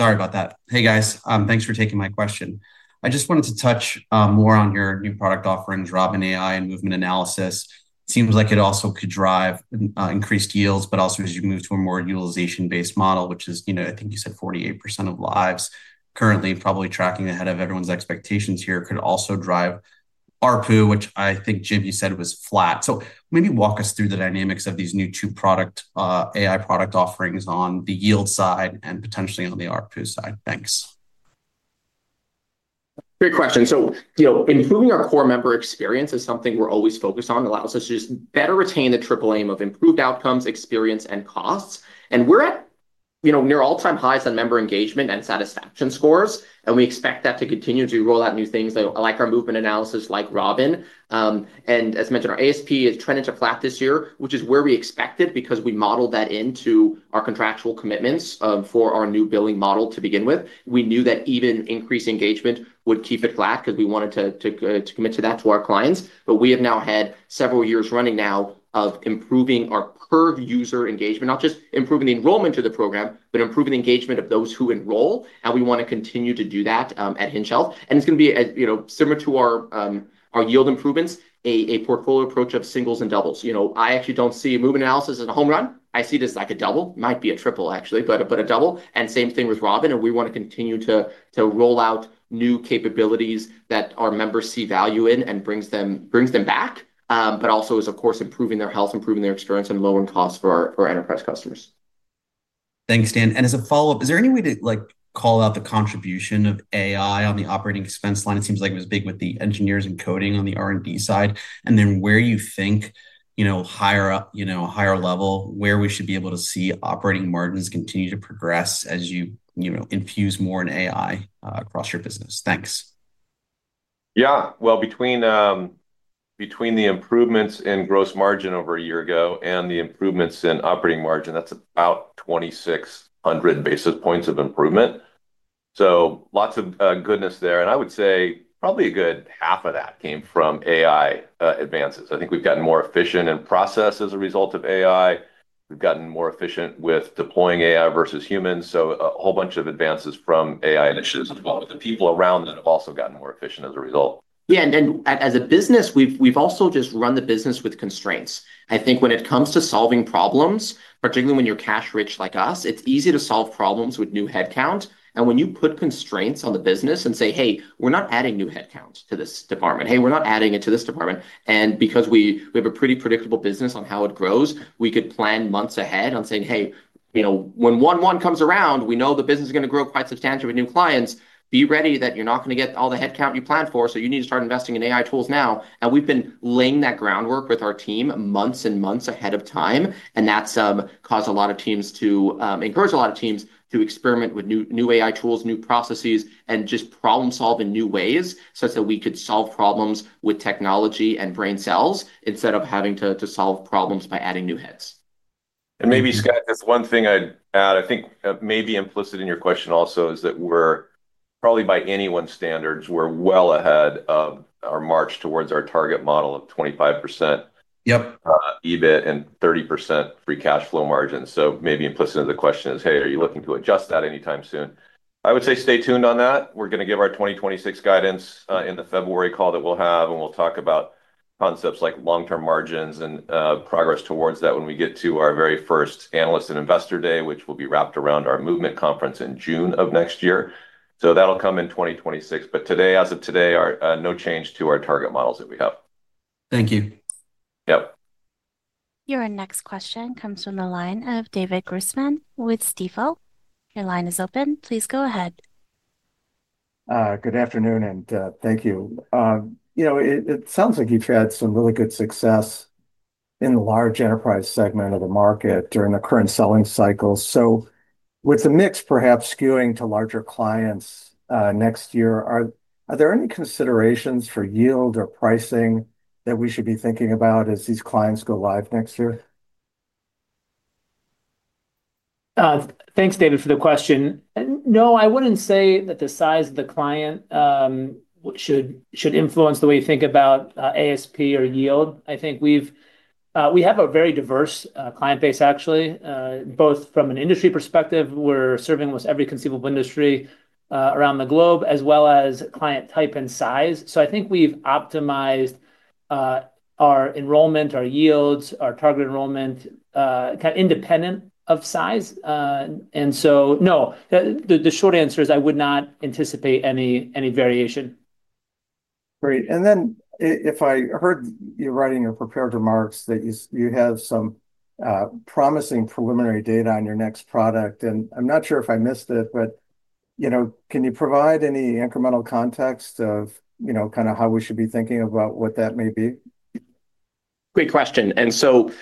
Sorry about that. Hey, guys, thanks for taking my question. I just wanted to touch more on your new product offering, Robin AI and movement analysis. It seems like it also could drive increased yields, but also as you move to a more utilization-based model, which is, I think you said 48% of lives currently probably tracking ahead of everyone's expectations here could also drive ARPU, which I think, Jim, you said was flat. So maybe walk us through the dynamics of these new two product AI product offerings on the yield side and potentially on the ARPU side. Thanks. Great question. So improving our core member experience is something we're always focused on. It allows us to just better retain the triple aim of improved outcomes, experience, and costs. And we're at near all-time highs on member engagement and satisfaction scores. And we expect that to continue as we roll out new things like our movement analysis, like Robin. And as mentioned, our ASP is trending to flat this year, which is where we expected because we modeled that into our contractual commitments for our new billing model to begin with. We knew that even increased engagement would keep it flat because we wanted to commit to that to our clients. But we have now had several years running now of improving our per user engagement, not just improving the enrollment to the program, but improving the engagement of those who enroll. And we want to continue to do that at Hinge Health. And it's going to be similar to our yield improvements, a portfolio approach of singles and doubles. I actually don't see movement analysis as a home run. I see it as like a double. It might be a triple, actually, but a double. And same thing with Robin. And we want to continue to roll out new capabilities that our members see value in and brings them back, but also is, of course, improving their health, improving their experience, and lowering costs for our enterprise customers. Thanks, Dan. And as a follow-up, is there any way to call out the contribution of AI on the operating expense line? It seems like it was big with the engineers and coding on the R&D side. And then, where you think higher up, a higher level where we should be able to see operating margins continue to progress as you infuse more in AI across your business. Thanks. Yeah. Well, between the improvements in gross margin over a year ago and the improvements in operating margin, that's about 2,600 basis points of improvement, so lots of goodness there, and I would say probably a good half of that came from AI advances. I think we've gotten more efficient in process as a result of AI. We've gotten more efficient with deploying AI versus humans, so a whole bunch of advances from AI initiatives as well, but the people around that have also gotten more efficient as a result. Yeah. And as a business, we've also just run the business with constraints. I think when it comes to solving problems, particularly when you're cash rich like us, it's easy to solve problems with new headcount. And when you put constraints on the business and say, "Hey, we're not adding new headcounts to this department. Hey, we're not adding it to this department." And because we have a pretty predictable business on how it grows, we could plan months ahead on saying, "Hey. When January 1 comes around, we know the business is going to grow quite substantially with new clients. Be ready that you're not going to get all the headcount you planned for, so you need to start investing in AI tools now." And we've been laying that groundwork with our team months and months ahead of time. And that's caused a lot of teams to experiment with new AI tools, new processes, and just problem-solving new ways such that we could solve problems with technology and brain cells instead of having to solve problems by adding new heads. And maybe, Scott, just one thing I'd add. I think maybe implicit in your question also is that we're probably by anyone's standards, we're well ahead of our march towards our target model of 25% EBIT and 30% free cash flow margin. So maybe implicit in the question is, "Hey, are you looking to adjust that anytime soon?" I would say stay tuned on that. We're going to give our 2026 guidance in the February call that we'll have, and we'll talk about concepts like long-term margins and progress towards that when we get to our very first analyst and investor day, which will be wrapped around our movement conference in June of next year. So that'll come in 2026. But today, as of today, no change to our target models that we have. Thank you. Yep. Your next question comes from the line of David Grusman with Stifel. Your line is open. Please go ahead. Good afternoon and thank you. It sounds like you've had some really good success in the large enterprise segment of the market during the current selling cycle. With the mix perhaps skewing to larger clients next year, are there any considerations for yield or pricing that we should be thinking about as these clients go live next year? Thanks, David, for the question. No, I wouldn't say that the size of the client should influence the way you think about ASP or yield. I think we have a very diverse client base, actually, both from an industry perspective. We're serving almost every conceivable industry around the globe, as well as client type and size. So I think we've optimized our enrollment, our yields, our target enrollment kind of independent of size. And so no, the short answer is I would not anticipate any variation. Great. And then if I heard you right in your prepared remarks that you have some promising preliminary data on your next product. And I'm not sure if I missed it, but can you provide any incremental context of kind of how we should be thinking about what that may be? Great question. And so.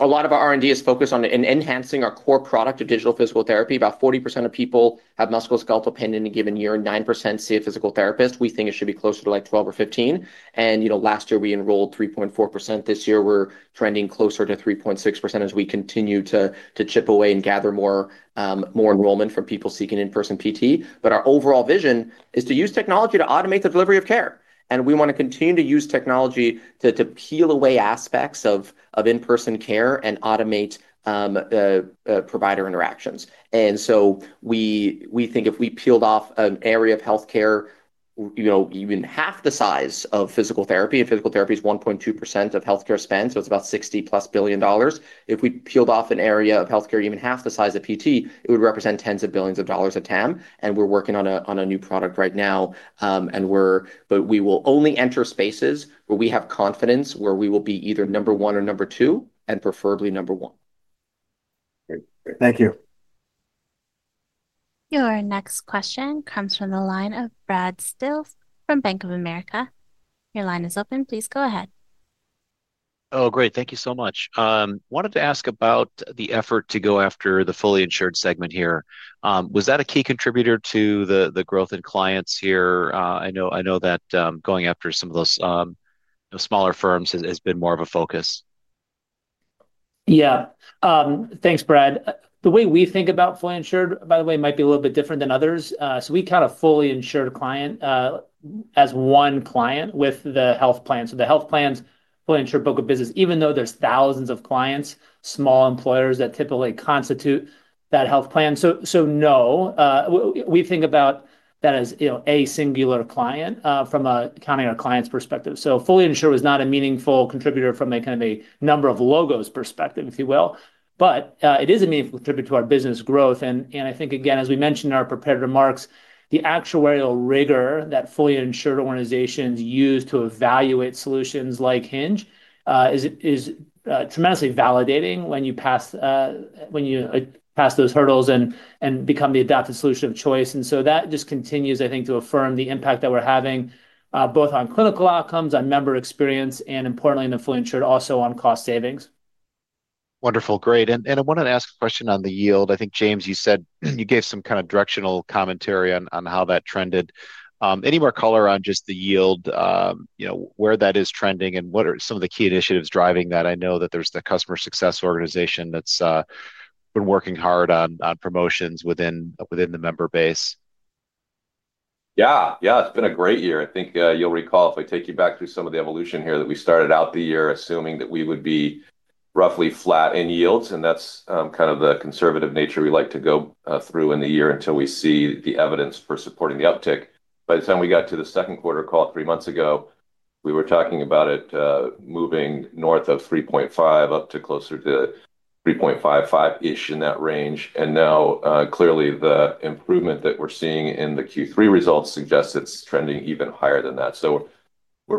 A lot of our R&D is focused on enhancing our core product of digital physical therapy. About 40% of people have musculoskeletal pain in a given year. Nine% see a physical therapist. We think it should be closer to like 12 or 15. And last year we enrolled 3.4%. This year we're trending closer to 3.6% as we continue to chip away and gather more. Enrollment from people seeking in-person PT. But our overall vision is to use technology to automate the delivery of care. And we want to continue to use technology to peel away aspects of in-person care and automate. Provider interactions. And so we think if we peeled off an area of healthcare. Even half the size of physical therapy, and physical therapy is 1.2% of healthcare spend, so it's about $60+ billion. If we peeled off an area of healthcare even half the size of PT, it would represent tens of billions of dollars of TAM. And we're working on a new product right now. But we will only enter spaces where we have confidence, where we will be either number one or number two, and preferably number one. Great. Thank you. Your next question comes from the line of Brad Sills from Bank of America. Your line is open. Please go ahead. Oh, great. Thank you so much. Wanted to ask about the effort to go after the fully insured segment here. Was that a key contributor to the growth in clients here? I know that going after some of those smaller firms has been more of a focus. Yeah. Thanks, Brad. The way we think about fully insured, by the way, might be a little bit different than others. So we kind of fully insured a client as one client with the health plan. So the health plan's fully insured book of business, even though there's thousands of clients, small employers that typically constitute that health plan. So no, we think about that as a singular client from a counting our clients' perspective. So fully insured was not a meaningful contributor from a kind of a number of logos perspective, if you will. But it is a meaningful contributor to our business growth. And I think, again, as we mentioned in our prepared remarks, the actuarial rigor that fully insured organizations use to evaluate solutions like Hinge is tremendously validating when you pass those hurdles and become the adopted solution of choice. And so that just continues, I think, to affirm the impact that we're having both on clinical outcomes, on member experience, and importantly, in the fully insured, also on cost savings. Wonderful. Great. And I wanted to ask a question on the yield. I think, James, you said you gave some kind of directional commentary on how that trended. Any more color on just the yield, where that is trending, and what are some of the key initiatives driving that? I know that there's the customer success organization that's been working hard on promotions within the member base. Yeah. Yeah. It's been a great year. I think you'll recall if I take you back through some of the evolution here that we started out the year assuming that we would be roughly flat in yields. And that's kind of the conservative nature we like to go through in the year until we see the evidence for supporting the uptick. By the time we got to the second quarter call three months ago, we were talking about it moving north of 3.5 up to closer to 3.55-ish in that range. And now, clearly, the improvement that we're seeing in the Q3 results suggests it's trending even higher than that. So we're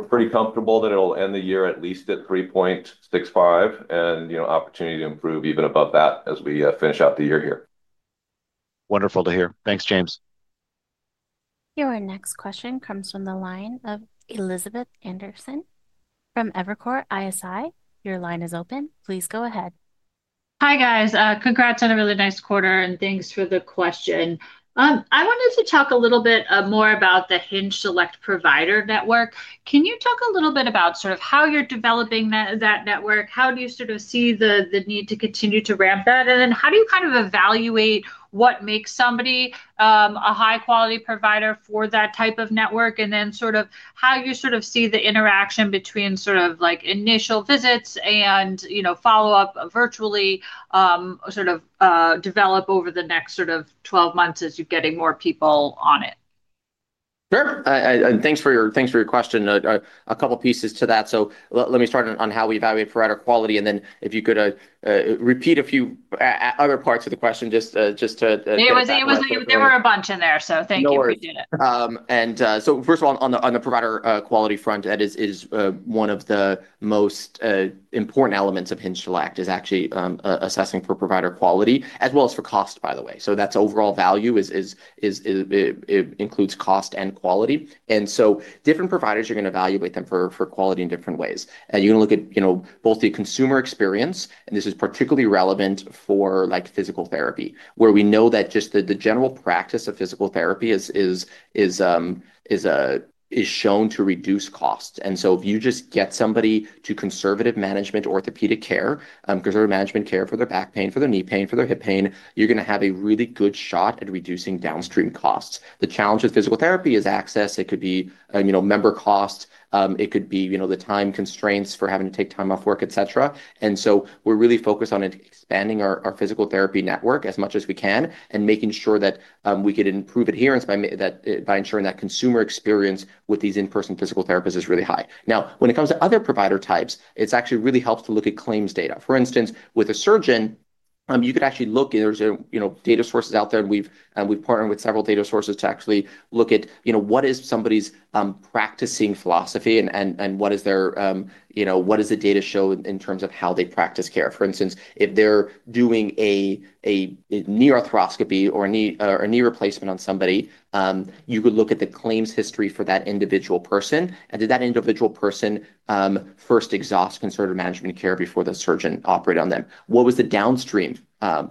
pretty comfortable that it'll end the year at least at 3.65 and opportunity to improve even above that as we finish out the year here. Wonderful to hear. Thanks, James. Your next question comes from the line of Elizabeth Anderson from Evercore ISI. Your line is open. Please go ahead. Hi, guys. Congrats on a really nice quarter, and thanks for the question. I wanted to talk a little bit more about the HingeSelect Provider Network. Can you talk a little bit about sort of how you're developing that network? How do you sort of see the need to continue to ramp that, and then how do you kind of evaluate what makes somebody a high-quality provider for that type of network, and then sort of how you sort of see the interaction between sort of initial visits and follow-up virtually sort of develop over the next sort of 12 months as you're getting more people on it? Sure. And thanks for your question. A couple of pieces to that. So let me start on how we evaluate provider quality. And then if you could repeat a few other parts of the question just to. There were a bunch in there, so thank you for doing it. And so first of all, on the provider quality front, that is one of the most important elements HingeSelect. it is actually assessing for provider quality as well as for cost, by the way. So that's overall value. It includes cost and quality. And so different providers, you're going to evaluate them for quality in different ways. And you're going to look at both the consumer experience, and this is particularly relevant for physical therapy, where we know that just the general practice of physical therapy is shown to reduce costs. And so if you just get somebody to conservative management orthopedic care, conservative management care for their back pain, for their knee pain, for their hip pain, you're going to have a really good shot at reducing downstream costs. The challenge with physical therapy is access. It could be member costs. It could be the time constraints for having to take time off work, etc. And so we're really focused on expanding our physical therapy network as much as we can and making sure that we can improve adherence by ensuring that consumer experience with these in-person physical therapists is really high. Now, when it comes to other provider types, it actually really helps to look at claims data. For instance, with a surgeon, you could actually look at. There's data sources out there, and we've partnered with several data sources to actually look at what is somebody's practicing philosophy and what does the data show in terms of how they practice care. For instance, if they're doing a knee arthroscopy or a knee replacement on somebody, you could look at the claims history for that individual person and did that individual person first exhaust conservative management care before the surgeon operated on them. What was the downstream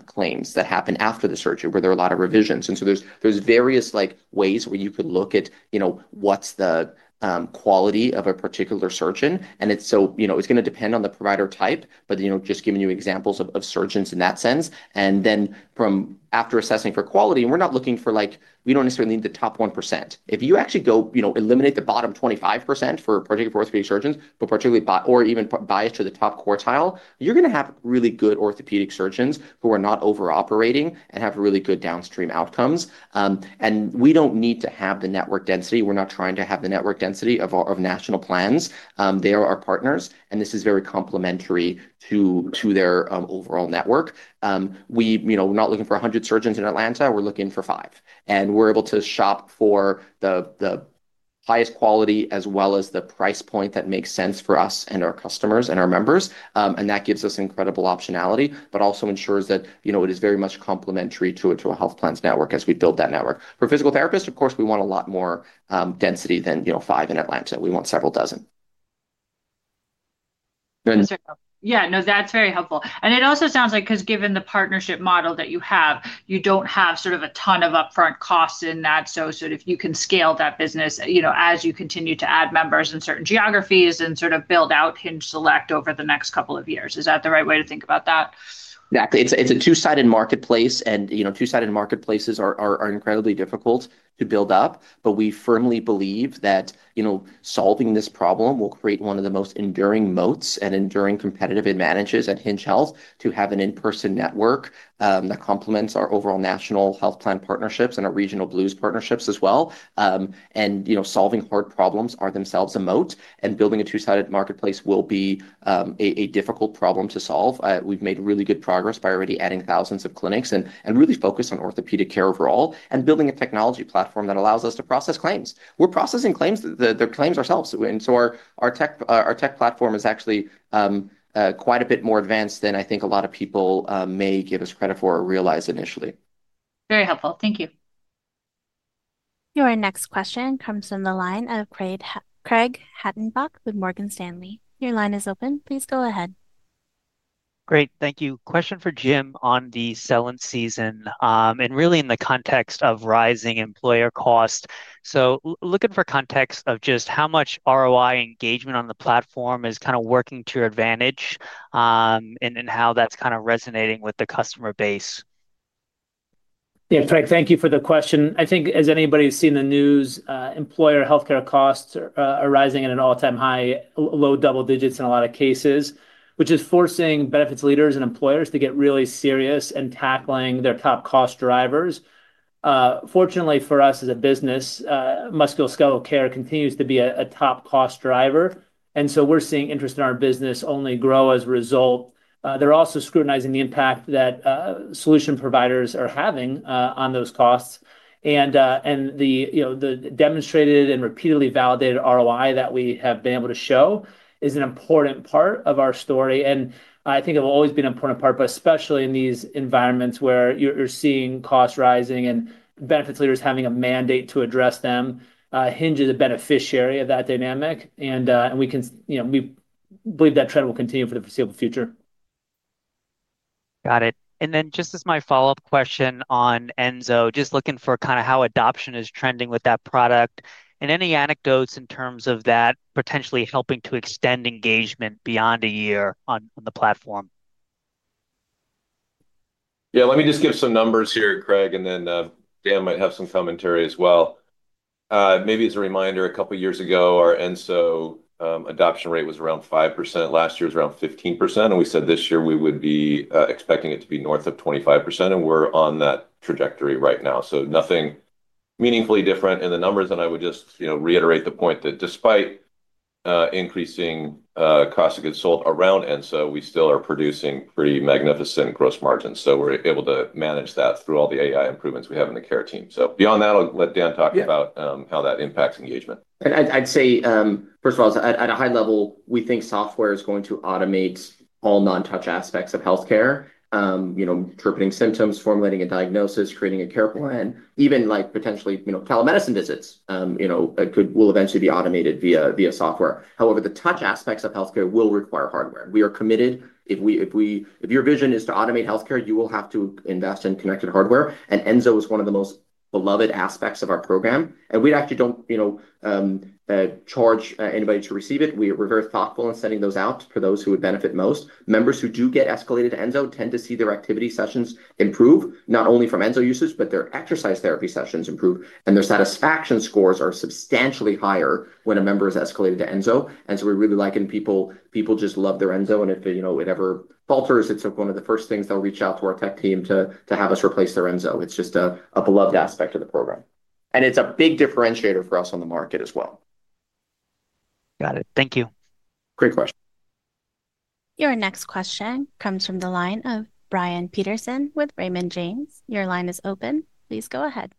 claims that happened after the surgery. Were there a lot of revisions. And so there's various ways where you could look at what's the quality of a particular surgeon. And so it's going to depend on the provider type, but just giving you examples of surgeons in that sense. And then, after assessing for quality, we're not looking for. We don't necessarily need the top 1%. If you actually go eliminate the bottom 25% for particular orthopedic surgeons, or even bias to the top quartile, you're going to have really good orthopedic surgeons who are not over-operating and have really good downstream outcomes. And we don't need to have the network density. We're not trying to have the network density of national plans. They are our partners, and this is very complementary to their overall network. We're not looking for 100 surgeons in Atlanta. We're looking for five. And we're able to shop for the highest quality as well as the price point that makes sense for us and our customers and our members. And that gives us incredible optionality, but also ensures that it is very much complementary to a health plan's network as we build that network. For physical therapists, of course, we want a lot more density than five in Atlanta. We want several dozen. Yeah. No, that's very helpful. And it also sounds like because given the partnership model that you have, you don't have sort of a ton of upfront costs in that. So if you can scale that business as you continue to add members in certain geographies and sort of build out HingeSelect over the next couple of years, is that the right way to think about that? Exactly. It's a two-sided marketplace, and two-sided marketplaces are incredibly difficult to build up but we firmly believe that solving this problem will create one of the most enduring moats and enduring competitive advantages at Hinge Health to have an in-person network that complements our overall national health plan partnerships and our regional blues partnerships as well and solving hard problems are themselves a moat, and building a two-sided marketplace will be a difficult problem to solve. We've made really good progress by already adding thousands of clinics and really focused on orthopedic care overall and building a technology platform that allows us to process claims. We're processing claims ourselves and so our tech platform is actually quite a bit more advanced than I think a lot of people may give us credit for or realize initially. Very helpful. Thank you. Your next question comes from the line of Craig Hettenbach with Morgan Stanley. Your line is open. Please go ahead. Great. Thank you. Question for Jim on the selling season and really in the context of rising employer cost. So looking for context of just how much ROI engagement on the platform is kind of working to your advantage, and how that's kind of resonating with the customer base. Yeah. Craig, thank you for the question. I think, as anybody who's seen the news, employer healthcare costs are rising at an all-time high, low double digits in a lot of cases, which is forcing benefits leaders and employers to get really serious in tackling their top cost drivers. Fortunately for us as a business, musculoskeletal care continues to be a top cost driver, and so we're seeing interest in our business only grow as a result. They're also scrutinizing the impact that solution providers are having on those costs, and the demonstrated and repeatedly validated ROI that we have been able to show is an important part of our story, and I think it will always be an important part, but especially in these environments where you're seeing costs rising and benefits leaders having a mandate to address them, Hinge is a beneficiary of that dynamic, and we believe that trend will continue for the foreseeable future. Got it. And then just as my follow-up question on Enso, just looking for kind of how adoption is trending with that product. And any anecdotes in terms of that potentially helping to extend engagement beyond a year on the platform? Yeah. Let me just give some numbers here, Craig, and then Dan might have some commentary as well. Maybe as a reminder, a couple of years ago, our Enso adoption rate was around 5%. Last year was around 15%. And we said this year we would be expecting it to be north of 25%. And we're on that trajectory right now. So nothing meaningfully different in the numbers. And I would just reiterate the point that despite increasing cost of goods sold around Enso, we still are producing pretty magnificent gross margins. So we're able to manage that through all the AI improvements we have in the care team. So beyond that, I'll let Dan talk about how that impacts engagement. I'd say, first of all, at a high level, we think software is going to automate all non-touch aspects of healthcare. Interpreting symptoms, formulating a diagnosis, creating a care plan, even potentially telemedicine visits will eventually be automated via software. However, the touch aspects of healthcare will require hardware. We are committed. If your vision is to automate healthcare, you will have to invest in connected hardware. And Enso is one of the most beloved aspects of our program. And we actually don't charge anybody to receive it. We are very thoughtful in sending those out for those who would benefit most. Members who do get escalated to Enso tend to see their activity sessions improve, not only from Enso usage, but their exercise therapy sessions improve. And their satisfaction scores are substantially higher when a member is escalated to Enso. And so we really like when people just love their Enso. And if it ever falters, it's one of the first things they'll reach out to our tech team to have us replace their Enso. It's just a beloved aspect of the program. And it's a big differentiator for us on the market as well. Got it. Thank you. Great question. Your next question comes from the line of Brian Peterson with Raymond James. Your line is open. Please go ahead.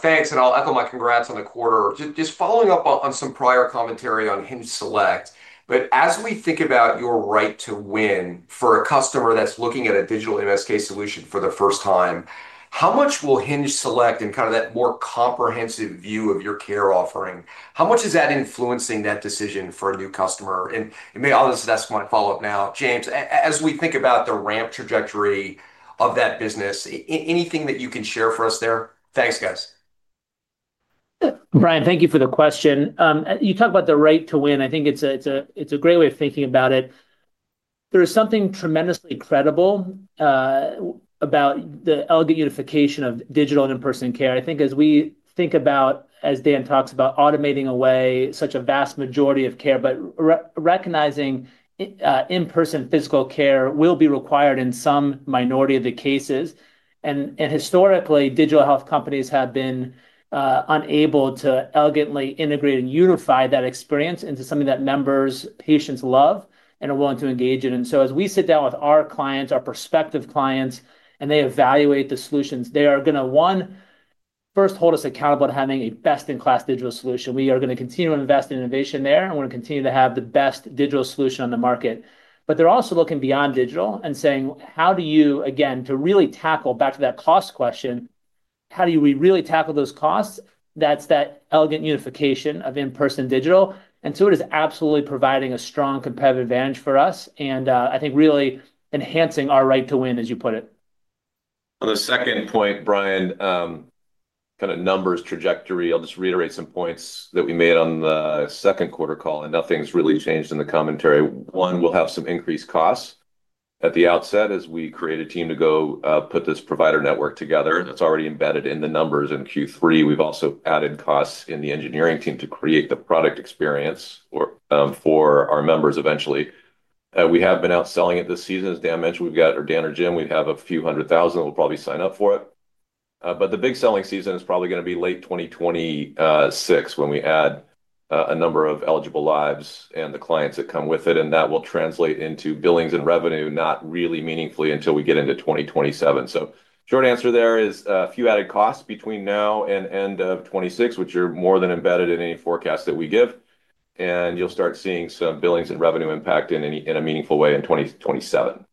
Thanks. And I'll echo my congrats on the quarter. Just following up on some prior commentary on HingeSelect. But as we think about your right to win for a customer that's looking at a digital MSK solution for the first time, how much will HingeSelect and kind of that more comprehensive view of your care offering, how much is that influencing that decision for a new customer? And maybe I'll just ask my follow-up now. James, as we think about the ramp trajectory of that business, anything that you can share for us there? Thanks, guys. Brian, thank you for the question. You talk about the right to win. I think it's a great way of thinking about it. There is something tremendously credible about the elegant unification of digital and in-person care. I think as we think about, as Dan talks about, automating away such a vast majority of care, but recognizing in-person physical care will be required in some minority of the cases, and historically, digital health companies have been unable to elegantly integrate and unify that experience into something that members, patients love, and are willing to engage in. And so as we sit down with our clients, our prospective clients, and they evaluate the solutions, they are going to, one, first hold us accountable to having a best-in-class digital solution. We are going to continue to invest in innovation there, and we're going to continue to have the best digital solution on the market. But they're also looking beyond digital and saying, how do you, again, to really tackle back to that cost question, how do we really tackle those costs? That's that elegant unification of in-person digital. And so it is absolutely providing a strong competitive advantage for us and I think really enhancing our right to win, as you put it. On the second point, Brian. Kind of numbers trajectory, I'll just reiterate some points that we made on the second quarter call. Nothing's really changed in the commentary. One, we'll have some increased costs at the outset as we create a team to go put this provider network together. That's already embedded in the numbers in Q3. We've also added costs in the engineering team to create the product experience for our members eventually. We have been out selling it this season. As Dan mentioned, we've got Dan or Jim, we have a few hundred thousand that will probably sign up for it. But the big selling season is probably going to be late 2026 when we add a number of eligible lives and the clients that come with it. And that will translate into billings and revenue, not really meaningfully until we get into 2027. So short answer there is a few added costs between now and end of 2026, which are more than embedded in any forecast that we give. And you'll start seeing some billings and revenue impact in a meaningful way in 2027.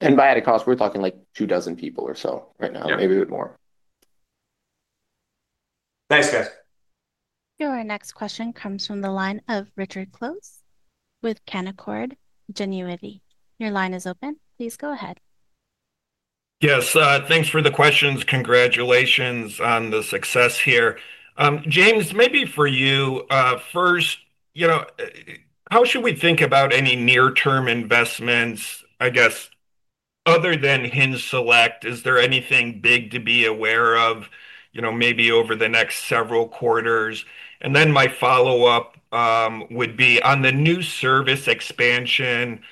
And by added cost, we're talking like two dozen people or so right now. Maybe a bit more. Thanks, guys. Your next question comes from the line of Richard Close with Canaccord Genuity. Your line is open. Please go ahead. Yes. Thanks for the questions. Congratulations on the success here. James, maybe for you first. How should we think about any near-term investments, I guess? Other than HingeSelect? Is there anything big to be aware of? Maybe over the next several quarters? And then my follow-up would be on the new service expansion.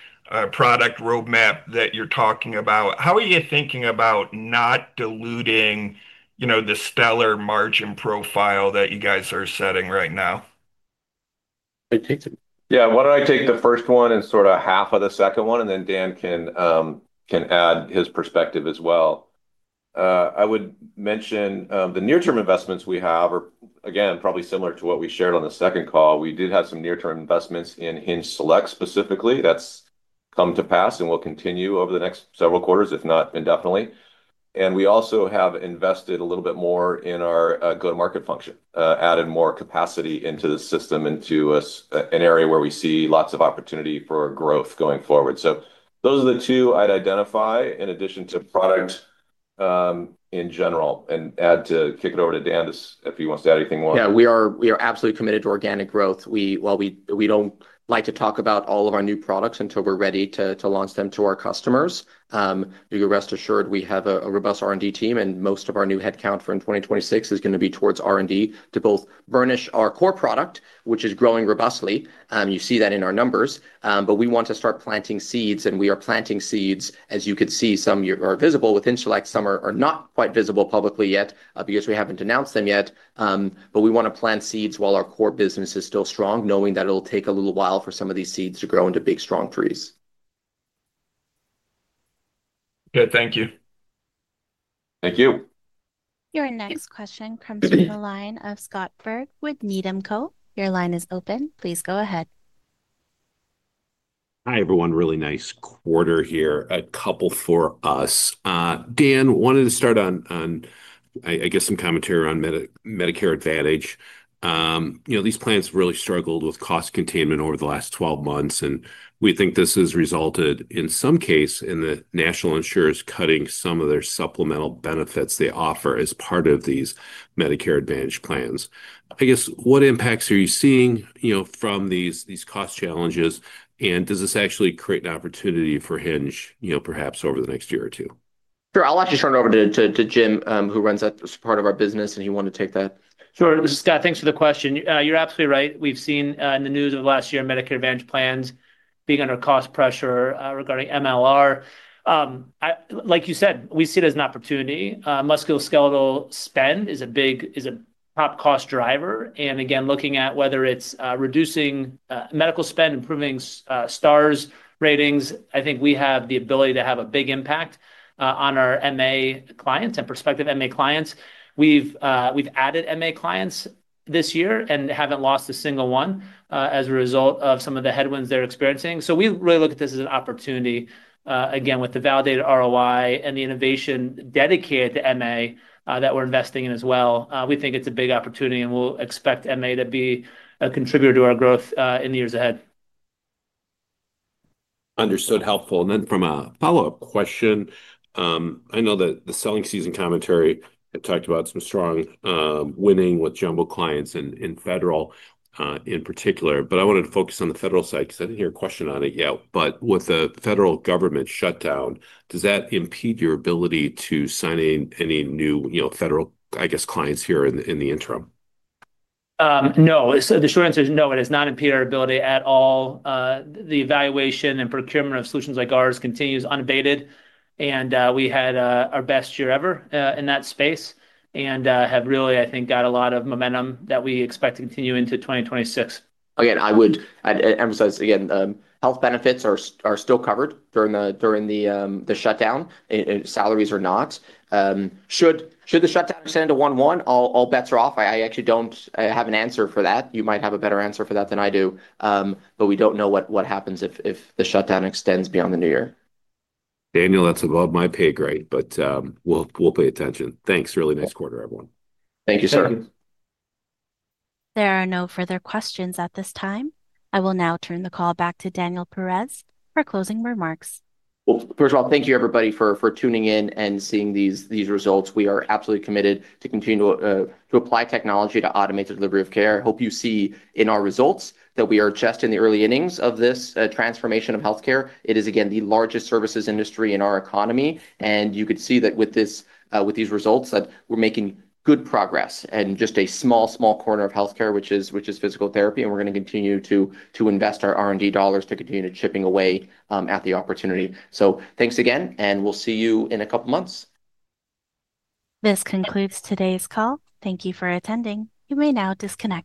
Product roadmap that you're talking about. How are you thinking about not diluting? The stellar margin profile that you guys are setting right now? Yeah. Why don't I take the first one and sort of half of the second one, and then Dan can add his perspective as well. I would mention the near-term investments we have, again, probably similar to what we shared on the second call. We did have some near-term investments in HingeSelect specifically. That's come to pass and will continue over the next several quarters, if not indefinitely. And we also have invested a little bit more in our go-to-market function, added more capacity into the system, into an area where we see lots of opportunity for growth going forward. So those are the two I'd identify in addition to product in general. And hand it over to Dan if he wants to add anything more. Yeah. We are absolutely committed to organic growth. While we don't like to talk about all of our new products until we're ready to launch them to our customers, you can rest assured we have a robust R&D team, and most of our new headcount for 2026 is going to be towards R&D to both burnish our core product, which is growing robustly. You see that in our numbers. But we want to start planting seeds, and we are planting seeds, as you could see, some are visible within Select, some are not quite visible publicly yet because we haven't announced them yet. But we want to plant seeds while our core business is still strong, knowing that it'll take a little while for some of these seeds to grow into big, strong trees. Good. Thank you. Thank you. Your next question comes from the line of Scott Berg with Needham & Company. Your line is open. Please go ahead. Hi everyone. Really nice quarter here. A couple for us. Dan wanted to start on. I guess, some commentary around Medicare Advantage. These plans have really struggled with cost containment over the last 12 months, and we think this has resulted in some cases in the national insurers cutting some of their supplemental benefits they offer as part of these Medicare Advantage plans. I guess, what impacts are you seeing from these cost challenges, and does this actually create an opportunity for Hinge, perhaps over the next year or two? Sure. I'll actually turn it over to Jim, who runs that as part of our business, and he wanted to take that. Sure. Scott. Thanks for the question. You're absolutely right. We've seen in the news of last year Medicare Advantage plans being under cost pressure regarding MLR. Like you said, we see it as an opportunity. Musculoskeletal spend is a top cost driver. And again, looking at whether it's reducing medical spend, improving STAR ratings, I think we have the ability to have a big impact on our MA clients and prospective MA clients. We've added MA clients this year and haven't lost a single one as a result of some of the headwinds they're experiencing. So we really look at this as an opportunity, again, with the validated ROI and the innovation dedicated to MA that we're investing in as well. We think it's a big opportunity, and we'll expect MA to be a contributor to our growth in the years ahead. Understood. Helpful. And then, from a follow-up question, I know that the selling season commentary, I talked about some strong wins with jumbo clients and federal in particular. But I wanted to focus on the federal side because I didn't hear a question on it yet. But with the federal government shutdown, does that impede your ability to sign any new federal, I guess, clients here in the interim? No. The short answer is no. It does not impede our ability at all. The evaluation and procurement of solutions like ours continues unabated, and we had our best year ever in that space and have really, I think, got a lot of momentum that we expect to continue into 2026. Again, I would emphasize again, health benefits are still covered during the shutdown. Salaries are not. Should the shutdown extend to January 1, all bets are off. I actually don't have an answer for that. You might have a better answer for that than I do. But we don't know what happens if the shutdown extends beyond the New Year. Daniel, that's above my pay grade, but we'll pay attention. Thanks. Really nice quarter, everyone. Thank you, sir. There are no further questions at this time. I will now turn the call back to Daniel Perez for closing remarks. First of all, thank you, everybody, for tuning in and seeing these results. We are absolutely committed to continue to apply technology to automate the delivery of care. I hope you see in our results that we are just in the early innings of this transformation of healthcare. It is, again, the largest services industry in our economy. You could see that with these results, that we're making good progress in just a small, small corner of healthcare, which is physical therapy. And we're going to continue to invest our R&D dollars to continue to chipping away at the opportunity. Thanks again, and we'll see you in a couple of months. This concludes today's call. Thank you for attending. You may now disconnect.